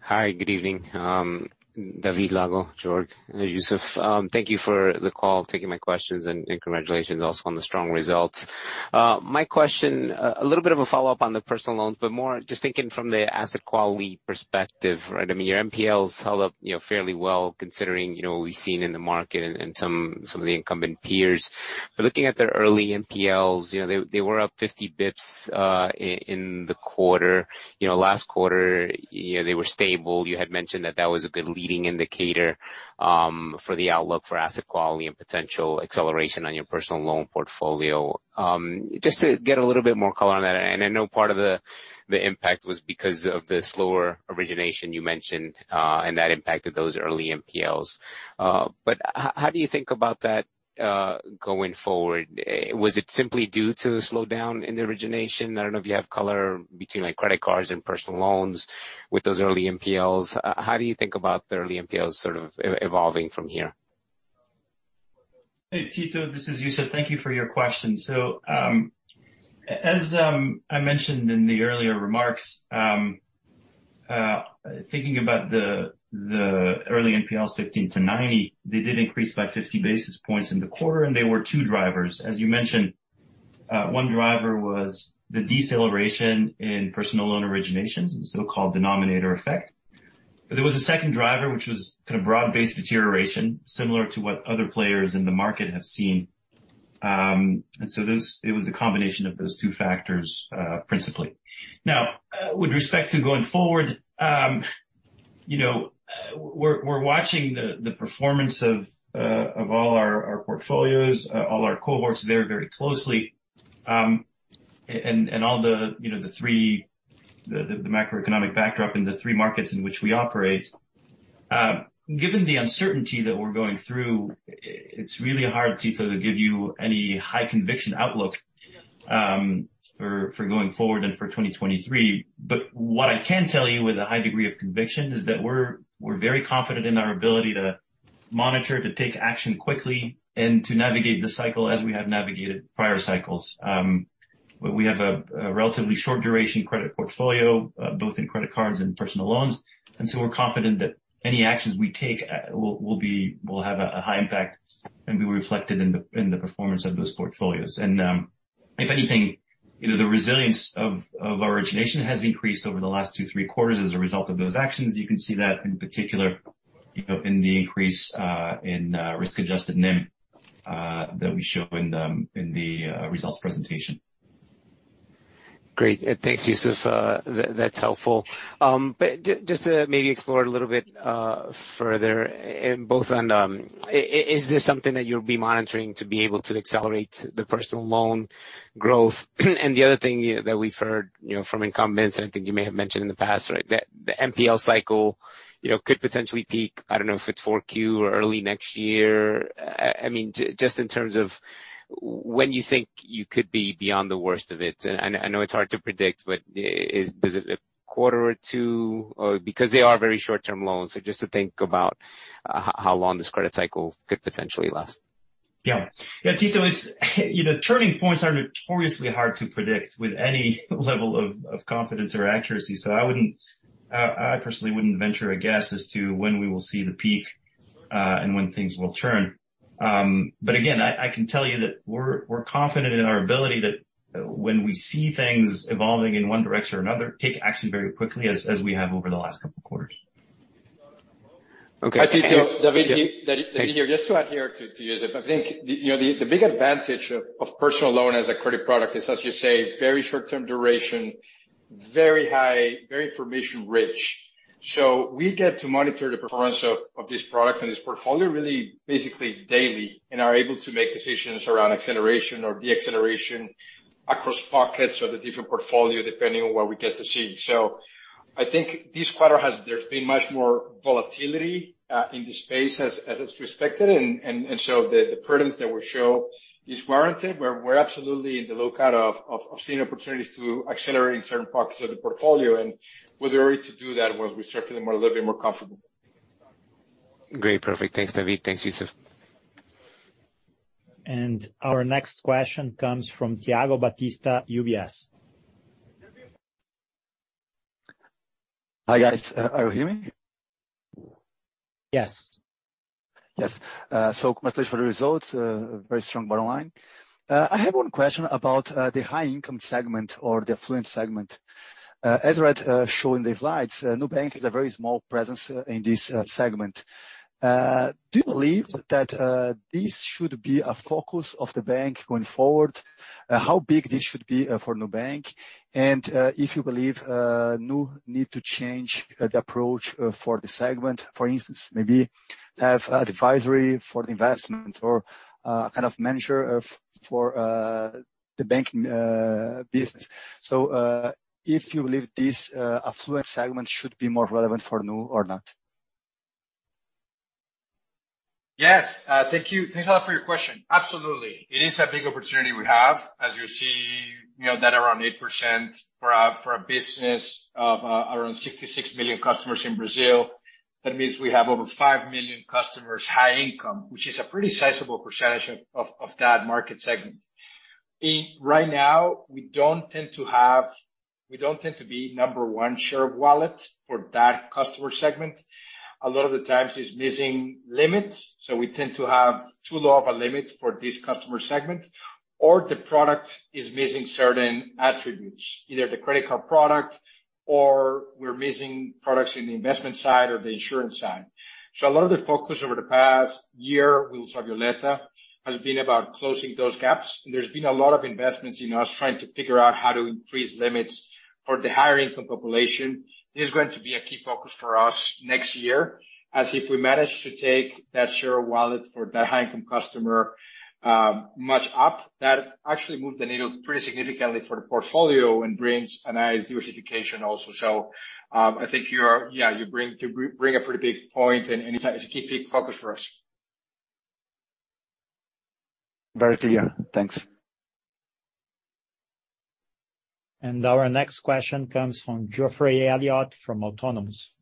Hi, good evening. David, Lago, Jorge, and Youssef. Thank you for the call, taking my questions, and congratulations also on the strong results. My question, a little bit of a follow-up on the personal loans, but more just thinking from the asset quality perspective, right? I mean, your NPLs held up, you know, fairly well considering, you know, what we've seen in the market and some of the incumbent peers. Looking at their early NPLs, you know, they were up 50 basis points in the quarter. You know, last quarter, you know, they were stable. You had mentioned that that was a good leading indicator for the outlook for asset quality and potential acceleration on your personal loan portfolio. Just to get a little bit more color on that, and I know part of the impact was because of the slower origination you mentioned, and that impacted those early NPLs. How do you think about that going forward? Was it simply due to the slowdown in the origination? I don't know if you have color between like credit cards and personal loans with those early NPLs. How do you think about the early NPLs sort of evolving from here? Hey, Tito Labarta, this is Youssef Lahrech. Thank you for your question. As I mentioned in the earlier remarks, thinking about the early NPLs 15-90, they did increase by 50 basis points in the quarter, and there were two drivers. As you mentioned, one driver was the deceleration in personal loan originations and so-called denominator effect. There was a second driver, which was kind of broad-based deterioration, similar to what other players in the market have seen. It was a combination of those two factors, principally. Now, with respect to going forward, you know, we're watching the performance of all our portfolios, all our cohorts there very closely, and all the macroeconomic backdrop in the three markets in which we operate. Given the uncertainty that we're going through, it's really hard, Tito, to give you any high conviction outlook for going forward and for 2023. What I can tell you with a high degree of conviction is that we're very confident in our ability to monitor, to take action quickly, and to navigate the cycle as we have navigated prior cycles. We have a relatively short duration credit portfolio, both in credit cards and personal loans, and so we're confident that any actions we take will have a high impact and be reflected in the performance of those portfolios. If anything, you know, the resilience of our origination has increased over the last 2-3 quarters as a result of those actions. You can see that in particular, you know, in the increase in risk-adjusted NIM that we show in the results presentation. Great. Thanks, Youssef. That's helpful. Just to maybe explore a little bit further on both, is this something that you'll be monitoring to be able to accelerate the personal loan growth? The other thing that we've heard, you know, from incumbents, and I think you may have mentioned in the past, right? That the NPL cycle, you know, could potentially peak. I don't know if it's 4Q or early next year. I mean, just in terms of when you think you could be beyond the worst of it. I know it's hard to predict, but is it a quarter or two, or because they are very short-term loans, so just to think about how long this credit cycle could potentially last. Yeah. Yeah, Tito, it's, you know, turning points are notoriously hard to predict with any level of confidence or accuracy. I personally wouldn't venture a guess as to when we will see the peak, and when things will turn. Again, I can tell you that we're confident in our ability that when we see things evolving in one direction or another, take action very quickly as we have over the last couple quarters. Okay. David, just to add here to Youssef, I think, you know, the big advantage of personal loan as a credit product is, as you say, very short-term duration, very high, very information rich. We get to monitor the performance of this product and this portfolio really basically daily and are able to make decisions around acceleration or deceleration across pockets of the different portfolio, depending on what we get to see. I think this quarter has there's been much more volatility in this space as is expected and so the prudence that we show is warranted. We're absolutely on the lookout for opportunities to accelerate in certain pockets of the portfolio and we're ready to do that once we certainly are a little bit more comfortable. Great. Perfect. Thanks, David. Thanks, Youssef. Our next question comes from Thiago Batista, UBS. Hi, guys. Can you hear me? Yes. Yes. Congratulations for the results, very strong bottom line. I have one question about the high income segment or the affluent segment. As David Vélez showed in the slides, Nubank has a very small presence in this segment. Do you believe that this should be a focus of the bank going forward? How big this should be for Nubank? If you believe Nu need to change the approach for the segment, for instance, maybe have advisory for the investment or kind of measure for the banking business. If you believe this affluent segment should be more relevant for Nu or not. Yes, thank you. Thanks a lot for your question. Absolutely. It is a big opportunity we have. As you see, you know that around 8% for a business of around 66 million customers in Brazil, that means we have over 5 million customers high income, which is a pretty sizable percentage of that market segment. Right now, we don't tend to be number one share of wallet for that customer segment. A lot of the times it's missing limits, so we tend to have too low of a limit for this customer segment, or the product is missing certain attributes, either the credit card product or we're missing products in the investment side or the insurance side. A lot of the focus over the past year with Ultravioleta has been about closing those gaps. There's been a lot of investments in us trying to figure out how to increase limits for the higher income population. This is going to be a key focus for us next year, as if we manage to take that share of wallet for that high income customer, that actually moved the needle pretty significantly for the portfolio and brings a nice diversification also. I think you bring a pretty big point and it's a key big focus for us. Very clear. Thanks. Our next question comes from Geoffrey Elliott from Autonomous.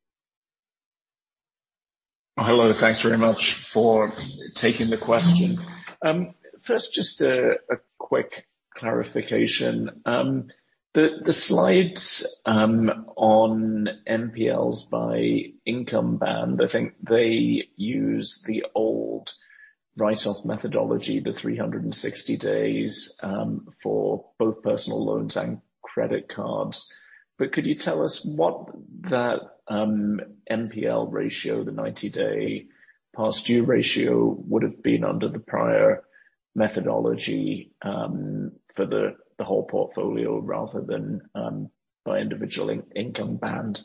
Hello. Thanks very much for taking the question. First, just a quick clarification. The slides on NPLs by income band, I think they use the old write-off methodology, the 360 days, for both personal loans and credit cards. Could you tell us what that NPL ratio, the 90-day past due ratio, would have been under the prior methodology, for the whole portfolio rather than by individual income band?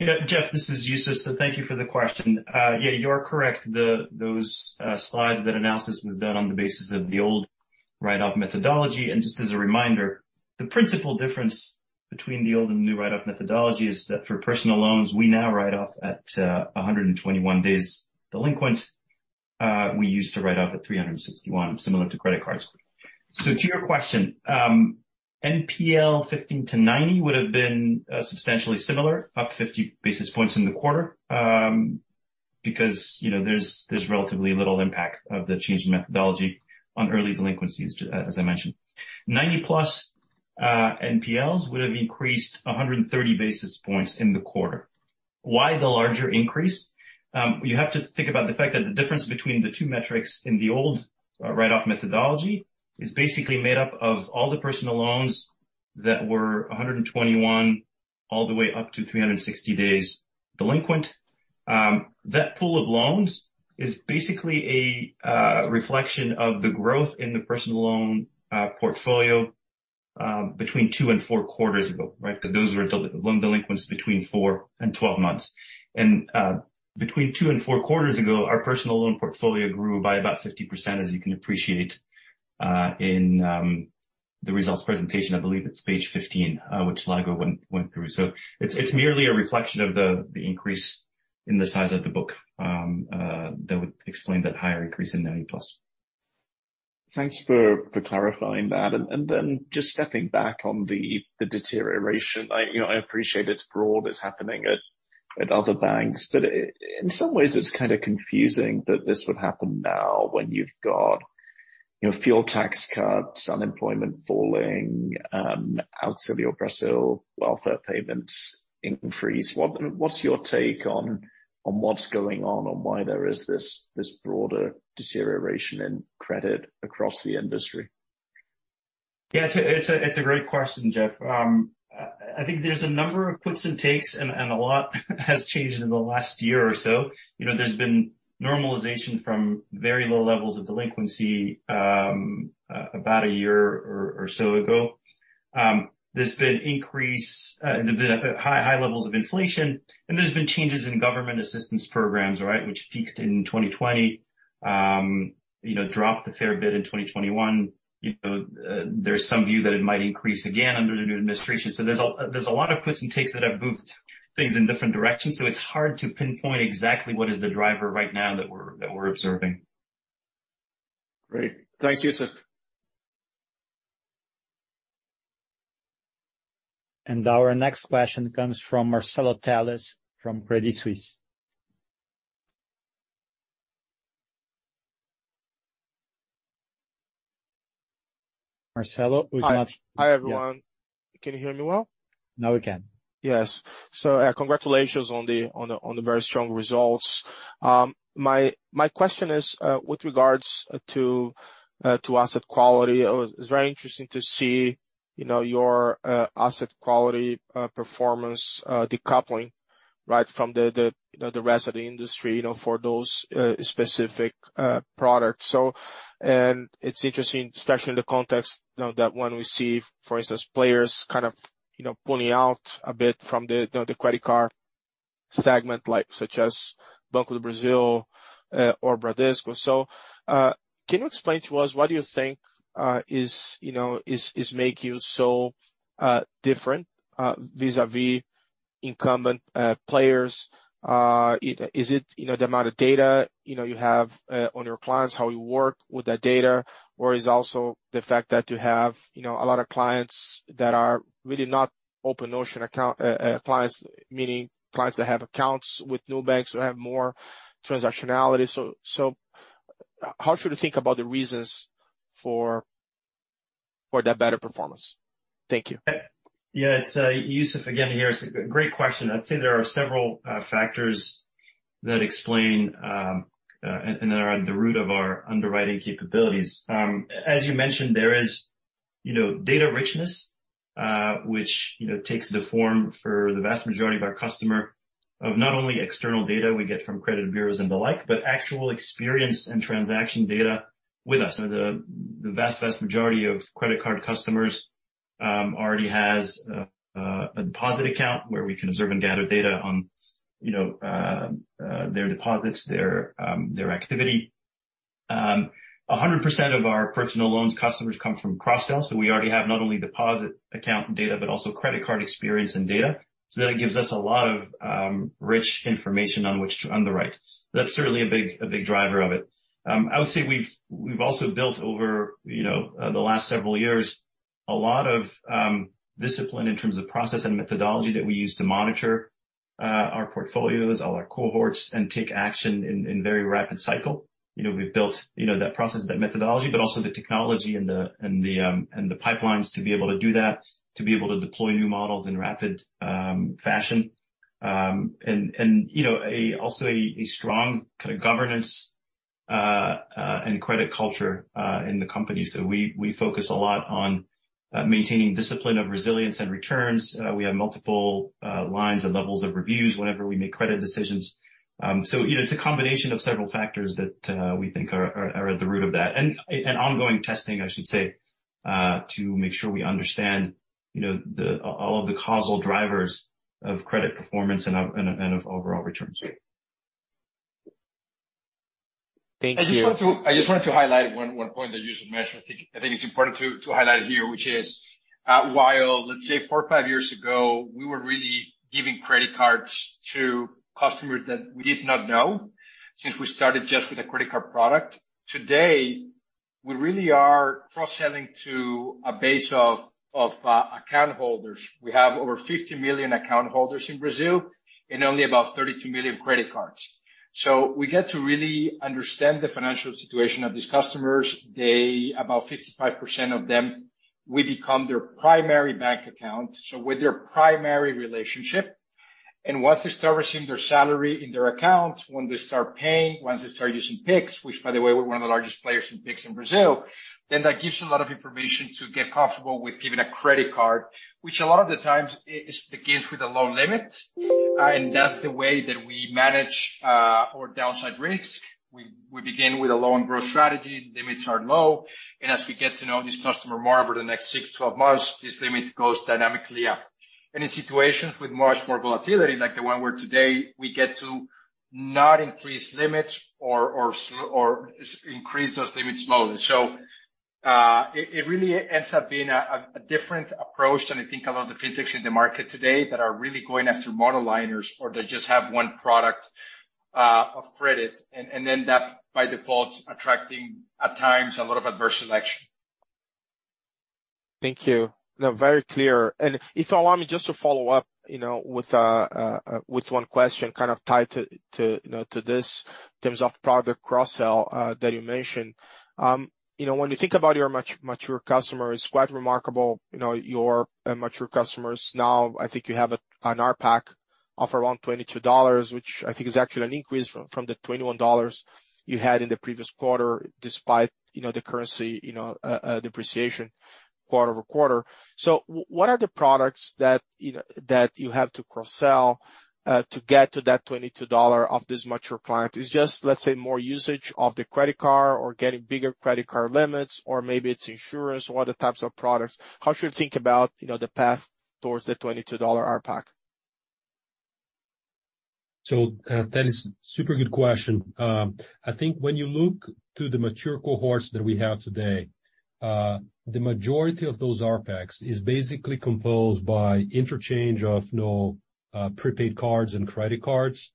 Geoffrey, this is Youssef. Thank you for the question. You are correct. Those slides, that analysis was done on the basis of the old write-off methodology. Just as a reminder, the principal difference between the old and new write-off methodology is that for personal loans, we now write off at 121 days delinquent. We used to write off at 361, similar to credit cards. To your question, NPL 15-90 would have been substantially similar, up 50 basis points in the quarter, because, you know, there's relatively little impact of the change in methodology on early delinquencies, as I mentioned. 90-plus NPLs would have increased 130 basis points in the quarter. Why the larger increase? You have to think about the fact that the difference between the two metrics in the old write-off methodology is basically made up of all the personal loans that were 121 all the way up to 360 days delinquent. That pool of loans is basically a reflection of the growth in the personal loan portfolio between 2 and 4 quarters ago, right? Because those were loan delinquencies between 4 and 12 months. Between 2 and 4 quarters ago, our personal loan portfolio grew by about 50%, as you can appreciate in the results presentation. I believe it's page 15, which Lago went through. It's merely a reflection of the increase in the size of the book that would explain that higher increase in 90+. Thanks for clarifying that. Then just stepping back on the deterioration. You know, I appreciate it's broad, it's happening at other banks, but in some ways it's kind of confusing that this would happen now when you've got, you know, fuel tax cuts, unemployment falling, Auxílio Brasil welfare payments increase. What's your take on what's going on why there is this broader deterioration in credit across the industry? Yeah, it's a great question, Geoffrey. I think there's a number of puts and takes and a lot has changed in the last year or so. You know, there's been normalization from very low levels of delinquency, about a year or so ago. There's been an increase in high levels of inflation, and there's been changes in government assistance programs, right? Which peaked in 2020, you know, dropped a fair bit in 2021. You know, there's some view that it might increase again under the new administration. There's a lot of puts and takes that have moved things in different directions, so it's hard to pinpoint exactly what is the driver right now that we're observing. Great. Thanks, Youssef. Our next question comes from Marcelo Telles from Credit Suisse. Marcelo, we cannot hear you. Hi. Hi, everyone. Can you hear me well? Now we can. Yes. Congratulations on the very strong results. My question is with regards to asset quality. It's very interesting to see, you know, your asset quality performance decoupling right from the, you know, the rest of the industry, you know, for those specific products. It's interesting, especially in the context, you know, that when we see, for instance, players kind of, you know, pulling out a bit from the, you know, the credit card segment, like, such as Banco do Brasil or Bradesco. Can you explain to us what you think makes you so different vis-a-vis incumbent players? Is it, you know, the amount of data, you know, you have on your clients, how you work with that data? Or is also the fact that you have, you know, a lot of clients that are really not open notion account clients, meaning clients that have accounts with Nubank, so have more transactionality. How should we think about the reasons for that better performance? Thank you. Yeah. It's Youssef again here. It's a great question. I'd say there are several factors that explain and are at the root of our underwriting capabilities. As you mentioned, there is, you know, data richness, which, you know, takes the form for the vast majority of our customer of not only external data we get from credit bureaus and the like, but actual experience and transaction data with us. The vast majority of credit card customers already has a deposit account where we can observe and gather data on, you know, their deposits, their activity. 100% of our personal loans customers come from cross-sells, so we already have not only deposit account data, but also credit card experience and data. It gives us a lot of rich information on which to underwrite. That's certainly a big driver of it. I would say we've also built over you know the last several years a lot of discipline in terms of process and methodology that we use to monitor our portfolios all our cohorts and take action in very rapid cycle. You know we've built you know that process that methodology but also the technology and the pipelines to be able to do that to be able to deploy new models in rapid fashion. You know also a strong kind of governance and credit culture in the company. We focus a lot on maintaining discipline of resilience and returns. We have multiple lines and levels of reviews whenever we make credit decisions. You know, it's a combination of several factors that we think are at the root of that. Ongoing testing, I should say, to make sure we understand, you know, all of the causal drivers of credit performance and of overall returns. Thank you. I just wanted to highlight one point that you should mention. I think it's important to highlight it here, which is, while, let's say 4-5 years ago, we were really giving credit cards to customers that we did not know, since we started just with a credit card product. Today, we really are cross-selling to a base of account holders. We have over 50 million account holders in Brazil and only about 32 million credit cards. So we get to really understand the financial situation of these customers. About 55% of them, we become their primary bank account, so we're their primary relationship. Once they start receiving their salary in their accounts, when they start paying, once they start using Pix, which by the way, we're one of the largest players in Pix in Brazil, then that gives you a lot of information to get comfortable with giving a credit card, which a lot of the times it begins with a low limit. That's the way that we manage our downside risks. We begin with a low and grow strategy. Limits are low. As we get to know this customer more over the next 6-12 months, this limit goes dynamically up. In situations with much more volatility, like the one we're in today, we get to not increase limits or increase those limits slowly. It really ends up being a different approach than I think a lot of the fintechs in the market today that are really going after mono-liners, or they just have one product of credit, and end up, by default, attracting, at times, a lot of adverse selection. Thank you. No, very clear. If you allow me just to follow up, you know, with one question kind of tied to you know, to this in terms of product cross-sell that you mentioned. You know, when you think about your mature customer, it's quite remarkable. You know, your mature customers now, I think you have an RPAC of around $22, which I think is actually an increase from the $21 you had in the previous quarter, despite you know, the currency depreciation quarter-over-quarter. What are the products that you know, that you have to cross-sell to get to that $22 of this mature client? It's just, let's say, more usage of the credit card or getting bigger credit card limits, or maybe it's insurance or other types of products? How should we think about, you know, the path towards the $22 RPAC? That is super good question. I think when you look to the mature cohorts that we have today, the majority of those RPACs is basically composed of interchange of, you know, prepaid cards and credit cards,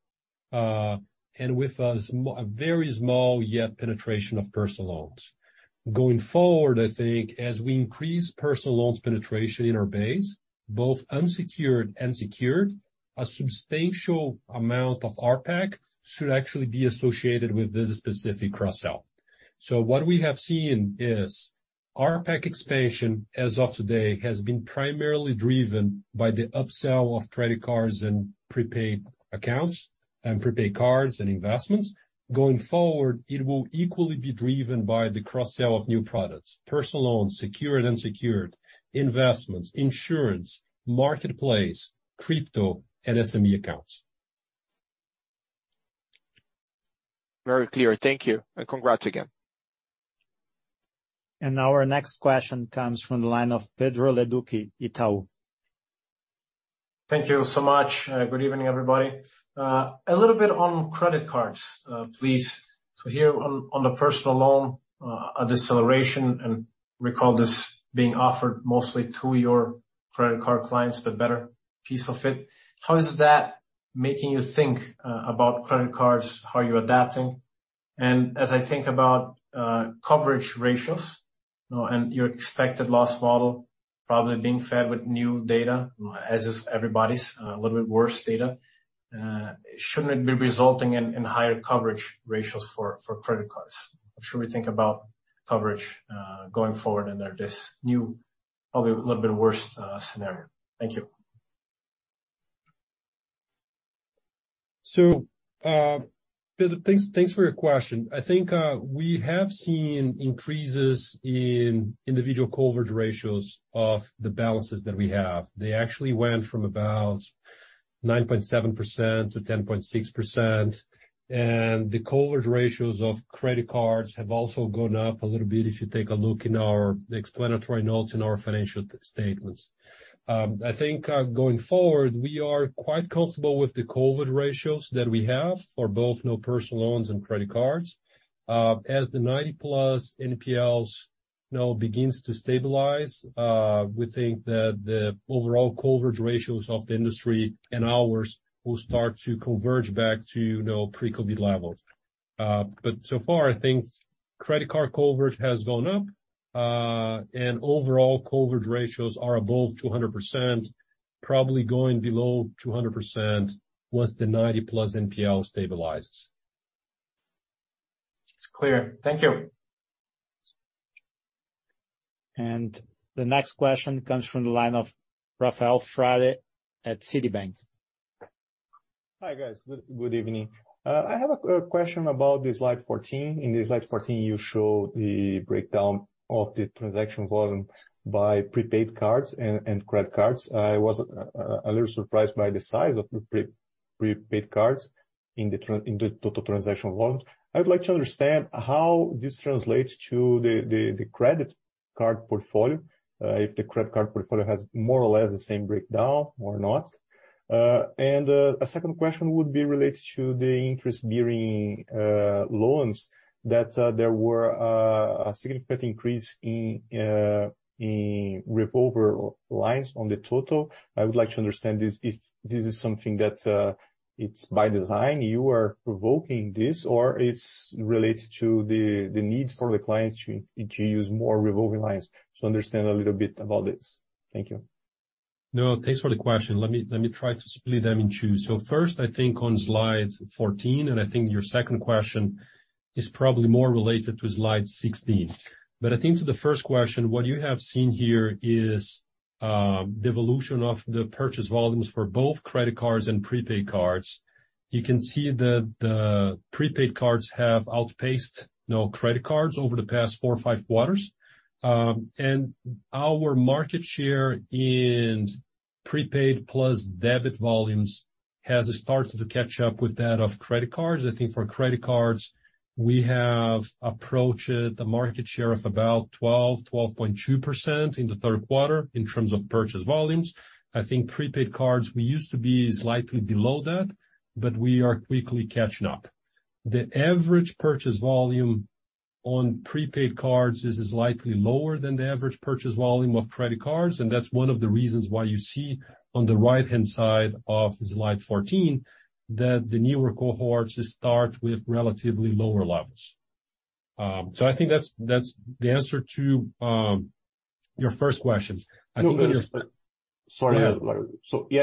and with a very small yet penetration of personal loans. Going forward, I think as we increase personal loans penetration in our base, both unsecured and secured, a substantial amount of RPAC should actually be associated with this specific cross-sell. What we have seen is- Our product expansion as of today has been primarily driven by the upsell of credit cards and prepaid accounts and prepaid cards and investments. Going forward, it will equally be driven by the cross-sale of new products, personal loans, secured, unsecured, investments, insurance, marketplace, crypto, and SME accounts. Very clear. Thank you, and congrats again. Our next question comes from the line of Pedro Leduc, Itaú. Thank you so much. Good evening, everybody. A little bit on credit cards, please. Here on the personal loan, a deceleration, and recall this being offered mostly to your credit card clients, the better piece of it. How is that making you think about credit cards? How are you adapting? As I think about coverage ratios, you know, and your expected loss model probably being fed with new data as is everybody's, a little bit worse data, shouldn't it be resulting in higher coverage ratios for credit cards? How should we think about coverage going forward under this new, probably a little bit worse scenario? Thank you. Pedro, thanks for your question. I think, we have seen increases in individual coverage ratios of the balances that we have. They actually went from about 9.7% to 10.6%, and the coverage ratios of credit cards have also gone up a little bit if you take a look in the explanatory notes in our financial statements. I think, going forward, we are quite comfortable with the coverage ratios that we have for both new personal loans and credit cards. As the 90-plus NPLs, you know, begins to stabilize, we think that the overall coverage ratios of the industry and ours will start to converge back to, you know, pre-COVID levels. So far, I think credit card coverage has gone up, and overall coverage ratios are above 200%, probably going below 200% once the 90+ NPL stabilizes. It's clear. Thank you. The next question comes from the line of Rafael Frade at Citibank. Hi, guys. Good evening. I have a question about the slide 14. In the slide 14, you show the breakdown of the transaction volume by prepaid cards and credit cards. I was a little surprised by the size of the prepaid cards in the total transaction volume. I would like to understand how this translates to the credit card portfolio, if the credit card portfolio has more or less the same breakdown or not. A second question would be related to the interest-bearing loans that there were a significant increase in revolver lines on the total. I would like to understand this, if this is something that it's by design, you are provoking this, or it's related to the need for the clients to use more revolving lines. To understand a little bit about this. Thank you. No, thanks for the question. Let me try to split them in two. First, I think on slide fourteen, and I think your second question is probably more related to slide sixteen. I think to the first question, what you have seen here is the evolution of the purchase volumes for both credit cards and prepaid cards. You can see that the prepaid cards have outpaced, you know, credit cards over the past 4 or 5 quarters. And our market share in prepaid plus debit volumes has started to catch up with that of credit cards. I think for credit cards, we have approached the market share of about 12.2% in the Q3 in terms of purchase volumes. I think prepaid cards, we used to be slightly below that, but we are quickly catching up. The average purchase volume on prepaid cards is likely lower than the average purchase volume of credit cards, and that's one of the reasons why you see on the right-hand side of slide 14 that the newer cohorts start with relatively lower levels. I think that's the answer to your first question. I think in your- Sorry. Go ahead.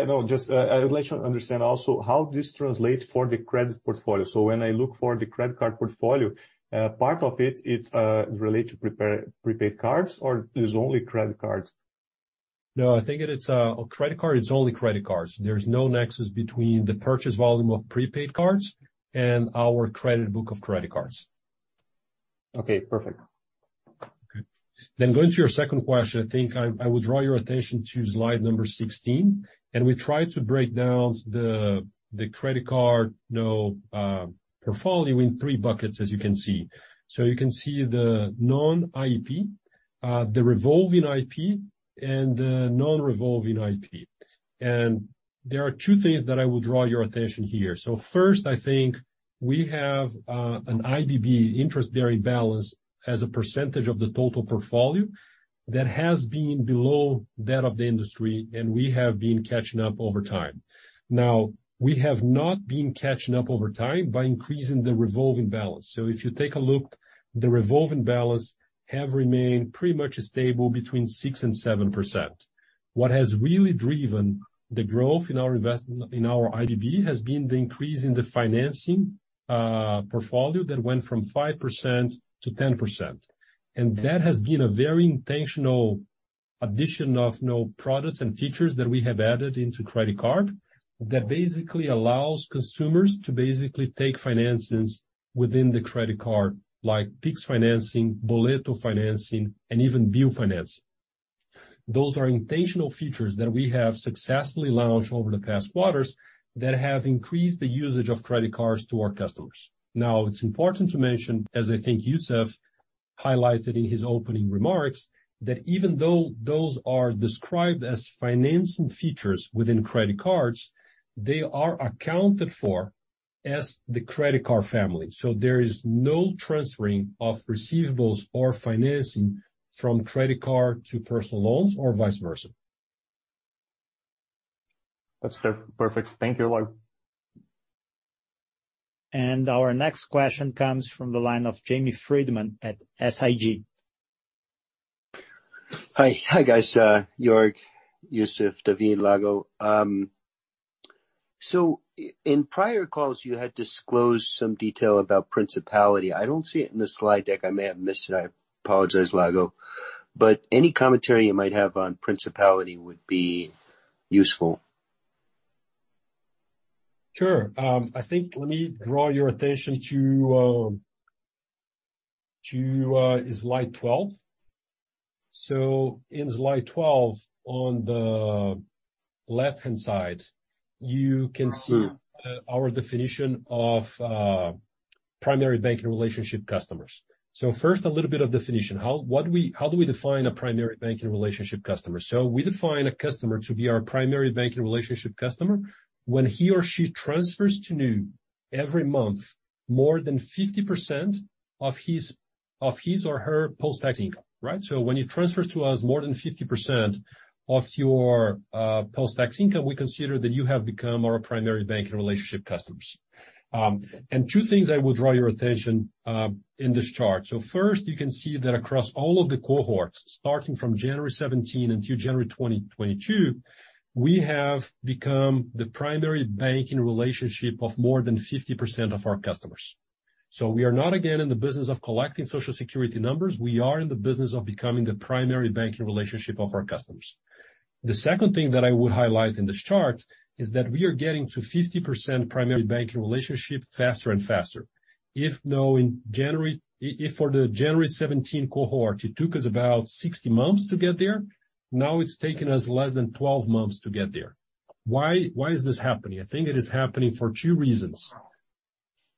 I would like to understand also how this translates for the credit portfolio. When I look for the credit card portfolio, part of it it's related to prepaid cards, or it's only credit cards? No, I think it's credit cards. It's only credit cards. There's no nexus between the purchase volume of prepaid cards and our credit book of credit cards. Okay, perfect. Okay. Going to your second question, I think I would draw your attention to slide number 16, and we try to break down the credit card, you know, portfolio in three buckets as you can see. You can see the non-IP, the revolving IP, and the non-revolving IP. There are two things that I will draw your attention here. First, I think we have an IDB, interest-bearing balance, as a percentage of the total portfolio that has been below that of the industry, and we have been catching up over time. Now, we have not been catching up over time by increasing the revolving balance. If you take a look, the revolving balance have remained pretty much stable between 6% and 7%. What has really driven the growth in our IDB has been the increase in the financing portfolio that went from 5%-10%. That has been a very intentional addition of new products and features that we have added into credit card that basically allows consumers to basically take financing within the credit card, like Pix financing, Boleto financing and even bill financing. Those are intentional features that we have successfully launched over the past quarters that have increased the usage of credit cards to our customers. Now, it's important to mention, as I think Youssef highlighted in his opening remarks, that even though those are described as financing features within credit cards, they are accounted for as the credit card family. There is no transferring of receivables or financing from credit card to personal loans or vice versa. That's perfect. Thank you, Lago. Our next question comes from the line of Jamie Friedman at SIG. Hi. Hi, guys, Jörg, Youssef, David, Guilherme. In prior calls, you had disclosed some detail about profitability. I don't see it in the slide deck, I may have missed it, I apologize, Guilherme. Any commentary you might have on profitability would be useful. Sure. I think let me draw your attention to slide 12. In slide 12, on the left-hand side, you can see. Our definition of primary banking relationship customers. First, a little bit of definition. How do we define a primary banking relationship customer? We define a customer to be our primary banking relationship customer when he or she transfers to Nu every month, more than 50% of his, of his or her post-tax income, right? When you transfer to us more than 50% of your post-tax income, we consider that you have become our primary banking relationship customers. Two things I will draw your attention in this chart. First, you can see that across all of the cohorts, starting from January 2017 until January 2022, we have become the primary banking relationship of more than 50% of our customers. We are not, again, in the business of collecting Social Security numbers. We are in the business of becoming the primary banking relationship of our customers. The second thing that I would highlight in this chart is that we are getting to 50% primary banking relationship faster and faster. For the January 2017 cohort, it took us about 60 months to get there. Now it's taken us less than 12 months to get there. Why is this happening? I think it is happening for two reasons.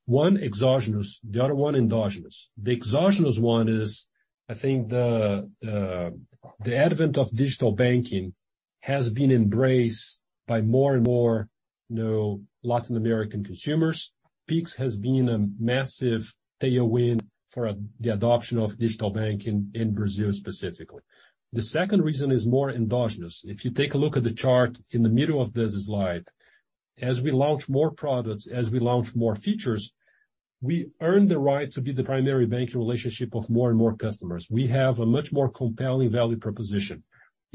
One, exogenous, the other one, endogenous. The exogenous one is, I think the advent of digital banking has been embraced by more and more Latin American consumers. Pix has been a massive tailwind for the adoption of digital banking in Brazil, specifically. The second reason is more endogenous. If you take a look at the chart in the middle of this slide, as we launch more products, as we launch more features, we earn the right to be the primary banking relationship of more and more customers. We have a much more compelling value proposition.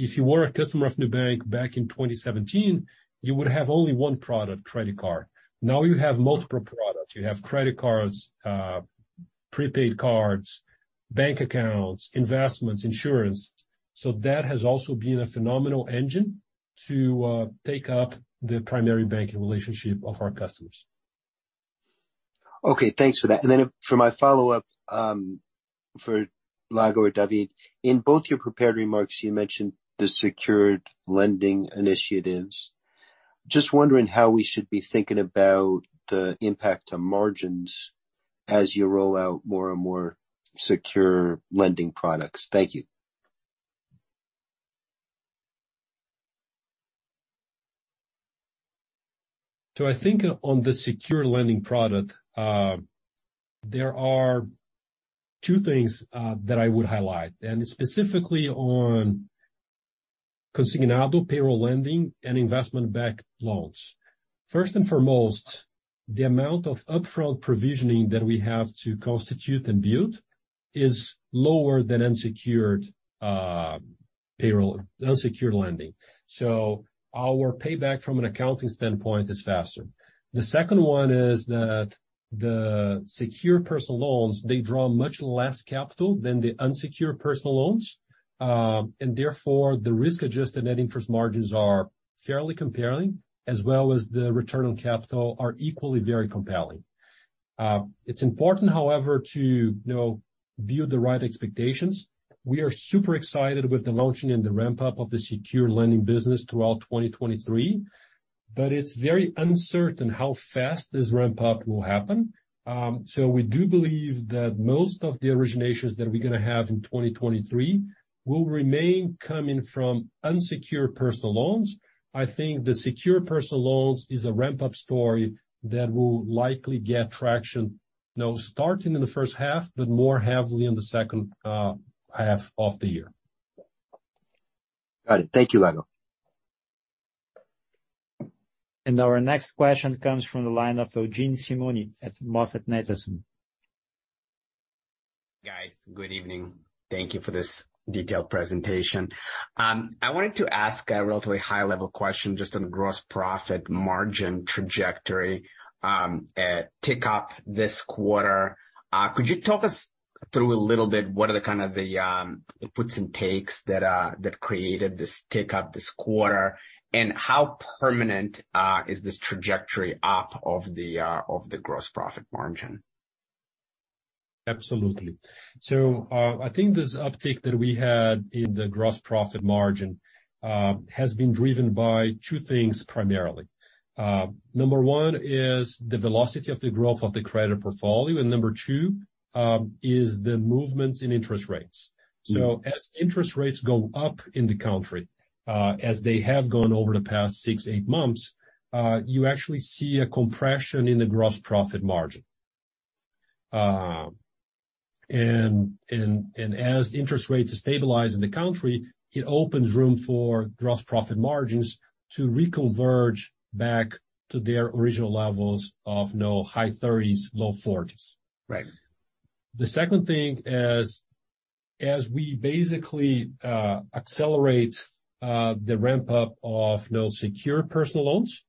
If you were a customer of Nubank back in 2017, you would have only one product, credit card. Now you have multiple products. You have credit cards, prepaid cards, bank accounts, investments, insurance. That has also been a phenomenal engine to take up the primary banking relationship of our customers. Okay, thanks for that. For my follow-up, for Lago or David, in both your prepared remarks, you mentioned the secured lending initiatives. Just wondering how we should be thinking about the impact to margins as you roll out more and more secured lending products. Thank you. I think on the secure lending product, there are two things that I would highlight, and specifically on consignado payroll lending and investment-backed loans. First and foremost, the amount of upfront provisioning that we have to constitute and build is lower than unsecured lending. Our payback from an accounting standpoint is faster. The second one is that the secure personal loans, they draw much less capital than the unsecured personal loans. Therefore, the risk-adjusted net interest margins are fairly compelling, as well as the return on capital are equally very compelling. It's important, however, to, you know, view the right expectations. We are super excited with the launching and the ramp-up of the secure lending business throughout 2023, but it's very uncertain how fast this ramp-up will happen. We do believe that most of the originations that we're gonna have in 2023 will remain coming from unsecured personal loans. I think the secured personal loans is a ramp-up story that will likely get traction, you know, starting in the first half, but more heavily in the second half of the year. Got it. Thank you, Lago. Our next question comes from the line of Eugene Simuni at MoffettNathanson. Guys, good evening. Thank you for this detailed presentation. I wanted to ask a relatively high-level question just on the gross profit margin trajectory, tick-up this quarter. Could you talk us through a little bit what are the kind of the puts and takes that created this tick-up this quarter, and how permanent is this trajectory up of the gross profit margin? Absolutely. I think this uptick that we had in the gross profit margin has been driven by two things primarily. Number one is the velocity of the growth of the credit portfolio, and number two is the movements in interest rates. As interest rates go up in the country, as they have gone over the past 6-8 months, you actually see a compression in the gross profit margin. And as interest rates stabilize in the country, it opens room for gross profit margins to reconverge back to their original levels of, you know, high 30s%-low 40s%. Right. The second thing is, as we basically accelerate the ramp up of those secured personal loans,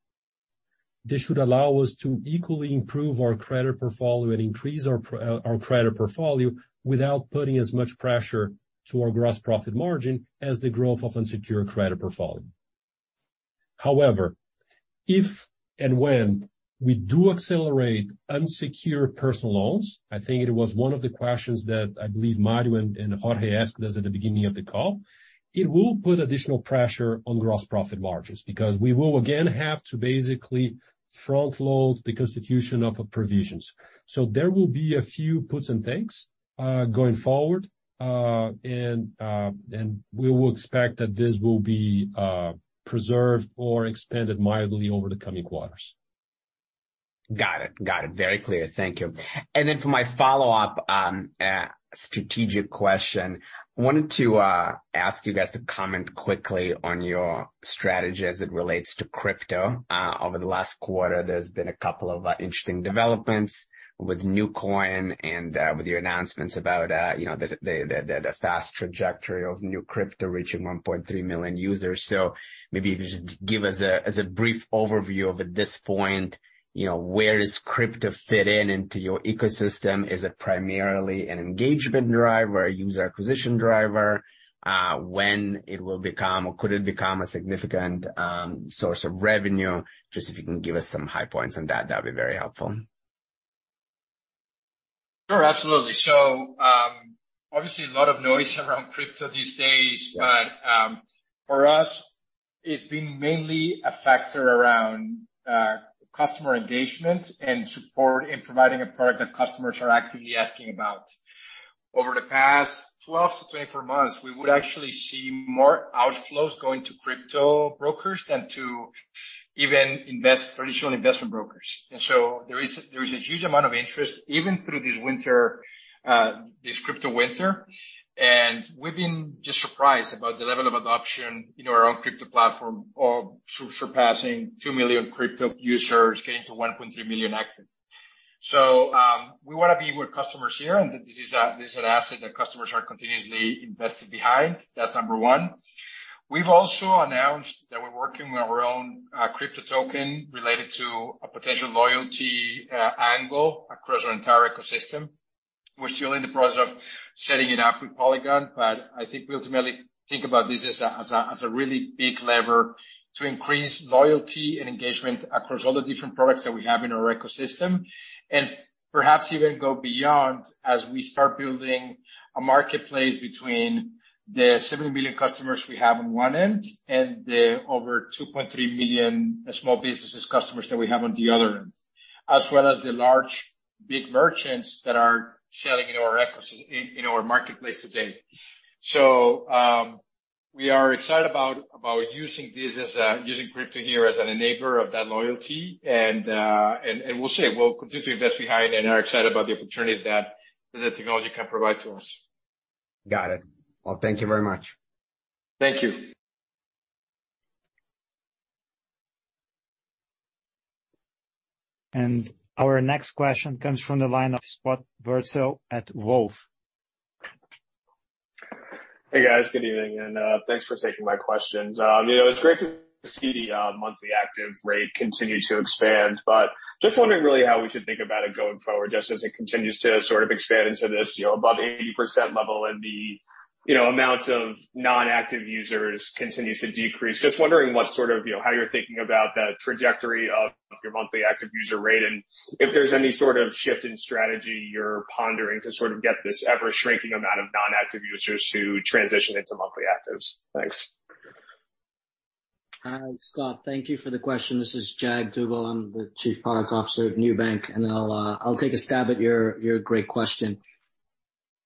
this should allow us to equally improve our credit portfolio and increase our credit portfolio without putting as much pressure to our gross profit margin as the growth of unsecured credit portfolio. However, if and when we do accelerate unsecured personal loans, I think it was one of the questions that I believe Mario and Jorge asked us at the beginning of the call, it will put additional pressure on gross profit margins because we will again have to basically front load the constitution of a provisions. There will be a few puts and takes going forward. We will expect that this will be preserved or expanded mildly over the coming quarters. Got it. Very clear. Thank you. For my follow-up, strategic question, I wanted to ask you guys to comment quickly on your strategy as it relates to crypto. Over the last quarter, there's been a couple of interesting developments with Nucoin and with your announcements about the fast trajectory of new crypto reaching 1.3 million users. Maybe if you just give us a brief overview of at this point where does crypto fit into your ecosystem. Is it primarily an engagement driver, a user acquisition driver. When will it become or could it become a significant source of revenue. Just if you can give us some high points on that'd be very helpful. Sure, absolutely. Obviously a lot of noise around crypto these days, but for us, it's been mainly a factor around customer engagement and support in providing a product that customers are actively asking about. Over the past 12-24 months, we would actually see more outflows going to crypto brokers than to even traditional investment brokers. There is a huge amount of interest even through this winter, this crypto winter. We've been just surprised about the level of adoption in our own crypto platform surpassing 2 million crypto users, getting to 1.3 million active. We wanna be with customers here, and this is an asset that customers are continuously invested behind. That's number one. We've also announced that we're working with our own crypto token related to a potential loyalty angle across our entire ecosystem. We're still in the process of setting it up with Polygon, but I think we ultimately think about this as a really big lever to increase loyalty and engagement across all the different products that we have in our ecosystem, and perhaps even go beyond as we start building a marketplace between the 70 million customers we have on one end and the over 2.3 million small businesses customers that we have on the other end, as well as the large big merchants that are selling in our marketplace today. We are excited about using crypto here as an enabler of that loyalty, and we'll see. We'll continue to invest behind and are excited about the opportunities that the technology can provide to us. Got it. Well, thank you very much. Thank you. Our next question comes from the line of Scott Siefers at Wolfe. Hey, guys. Good evening, and thanks for taking my questions. You know, it's great to see the monthly active rate continue to expand, but just wondering really how we should think about it going forward, just as it continues to sort of expand into this, you know, above 80% level and the, you know, amount of non-active users continues to decrease. Just wondering what sort of, you know, how you're thinking about the trajectory of your monthly active user rate, and if there's any sort of shift in strategy you're pondering to sort of get this ever-shrinking amount of non-active users to transition into monthly actives. Thanks. Hi, Scott. Thank you for the question. This is Jag Duggal. I'm the Chief Product Officer at Nubank, and I'll take a stab at your great question.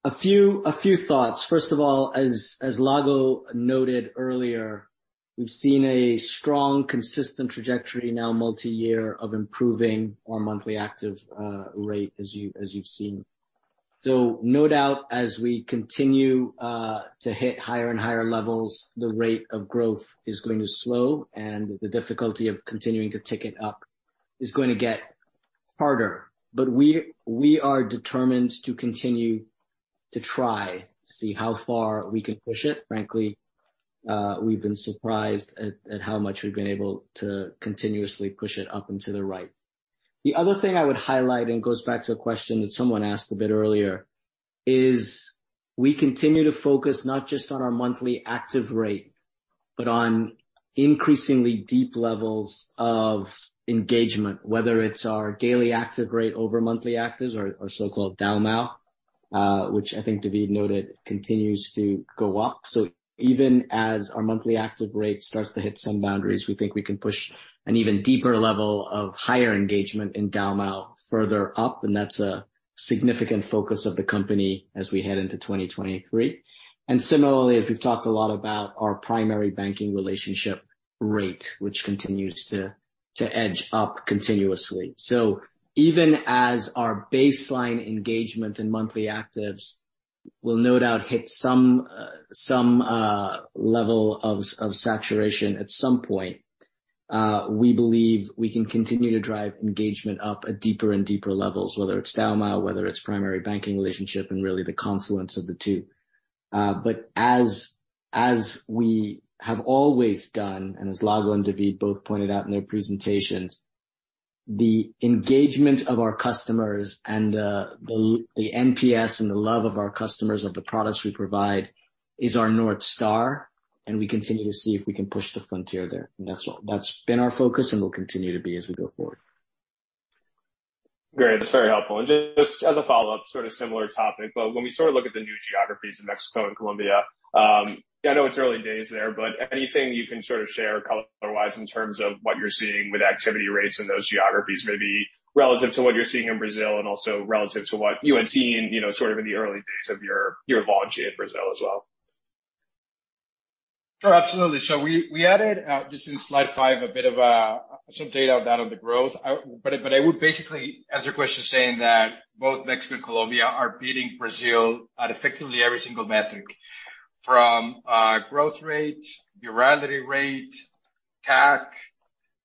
A few thoughts. First of all, as Lago noted earlier, we've seen a strong, consistent trajectory now multi-year of improving our monthly active rate, as you've seen. No doubt as we continue to hit higher and higher levels, the rate of growth is going to slow and the difficulty of continuing to tick it up is going to get harder, but we are determined to continue to try to see how far we can push it. Frankly, we've been surprised at how much we've been able to continuously push it up into the right. The other thing I would highlight, and it goes back to a question that someone asked a bit earlier, is we continue to focus not just on our monthly active rate, but on increasingly deep levels of engagement, whether it's our daily active rate over monthly actives or our so-called DAU/MAU, which I think David noted continues to go up. Even as our monthly active rate starts to hit some boundaries, we think we can push an even deeper level of higher engagement in DAU/MAU further up, and that's a significant focus of the company as we head into 2023. Similarly, as we've talked a lot about our primary banking relationship rate, which continues to edge up continuously. Even as our baseline engagement in monthly actives will no doubt hit some level of saturation at some point, we believe we can continue to drive engagement up at deeper and deeper levels, whether it's DAU/MAU, whether it's primary banking relationship and really the confluence of the two. But as we have always done, and as Lago and David both pointed out in their presentations, the engagement of our customers and the NPS and the love of our customers of the products we provide is our North Star, and we continue to see if we can push the frontier there. That's been our focus and will continue to be as we go forward. Great. That's very helpful. Just as a follow-up, sort of similar topic, but when we sort of look at the new geographies in Mexico and Colombia, I know it's early days there, but anything you can sort of share colorwise in terms of what you're seeing with activity rates in those geographies, maybe relative to what you're seeing in Brazil and also relative to what you had seen, you know, sort of in the early days of your launch in Brazil as well. Sure, absolutely. We added just in slide five some data on that, on the growth. I would basically answer your question saying that both Mexico and Colombia are beating Brazil at effectively every single metric, from growth rate, virality rate, CAC,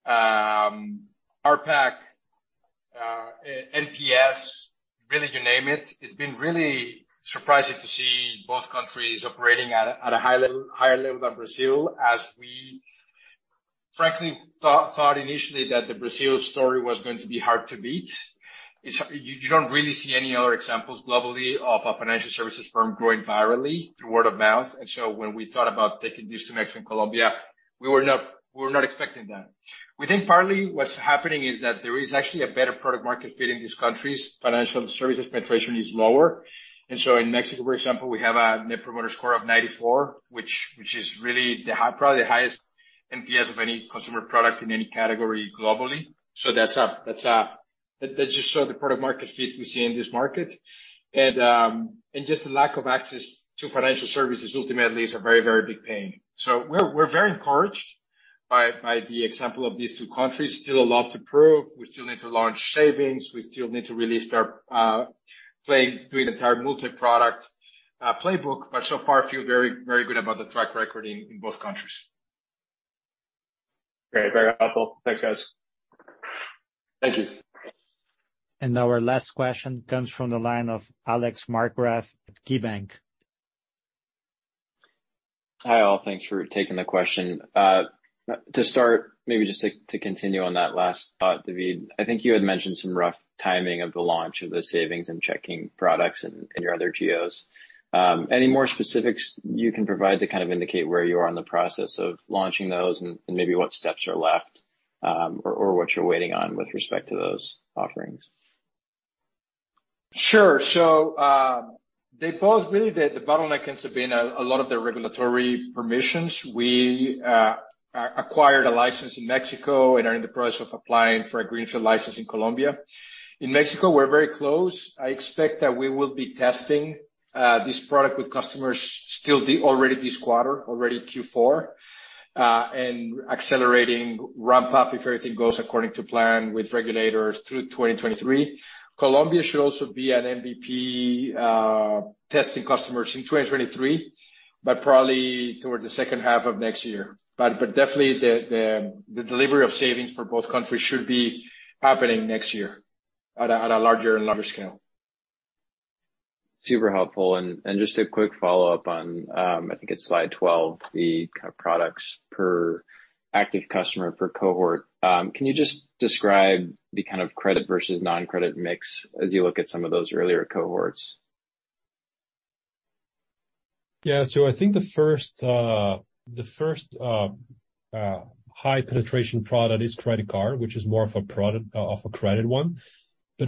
RPAC, NPS, really you name it. It's been really surprising to see both countries operating at a high level, higher level than Brazil as we frankly thought initially that the Brazil story was going to be hard to beat. You don't really see any other examples globally of a financial services firm growing virally through word of mouth. When we thought about taking this to Mexico and Colombia, we were not expecting that. We think partly what's happening is that there is actually a better product market fit in these countries. Financial services penetration is lower. In Mexico, for example, we have a net promoter score of 94, which is really the highest NPS of any consumer product in any category globally. That just shows the product market fit we see in this market. Just the lack of access to financial services ultimately is a very, very big pain. We're very encouraged by the example of these two countries. Still a lot to prove. We still need to launch savings. We still need to really start playing through the entire multiproduct playbook, but so far feel very, very good about the track record in both countries. Great. Very helpful. Thanks, guys. Thank you. Now our last question comes from the line of Alex Markgraff at KeyBanc. Hi, all. Thanks for taking the question. To start, maybe just to continue on that last thought, David, I think you had mentioned some rough timing of the launch of the savings and checking products in your other geos. Any more specifics you can provide to kind of indicate where you are in the process of launching those and maybe what steps are left, or what you're waiting on with respect to those offerings? Sure. Really the bottlenecks have been a lot of the regulatory permissions. We acquired a license in Mexico and are in the process of applying for a Greenfield license in Colombia. In Mexico, we're very close. I expect that we will be testing this product with customers already this quarter, already Q4, and accelerating ramp up if everything goes according to plan with regulators through 2023. Colombia should also be an MVP, testing customers in 2023, but probably towards the second half of next year. Definitely the delivery of savings for both countries should be happening next year at a larger and larger scale. Super helpful. Just a quick follow-up on, I think it's slide 12, the kind of products per active customer per cohort. Can you just describe the kind of credit versus non-credit mix as you look at some of those earlier cohorts? Yeah. I think the first high penetration product is credit card, which is more of a credit product.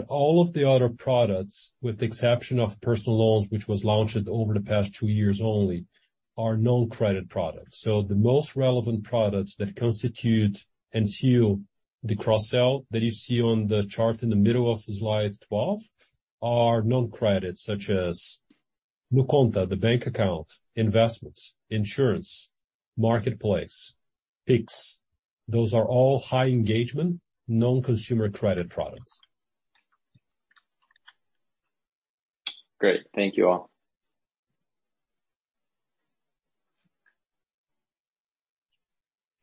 All of the other products, with the exception of personal loans, which was launched over the past two years only, are non-credit products. The most relevant products that constitute and fuel the cross-sell that you see on the chart in the middle of slide 12 are non-credit, such as NuConta, the bank account, investments, insurance, marketplace, Pix. Those are all high engagement, non-consumer credit products. Great. Thank you all.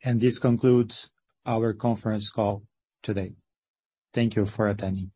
This concludes our conference call today. Thank you for attending.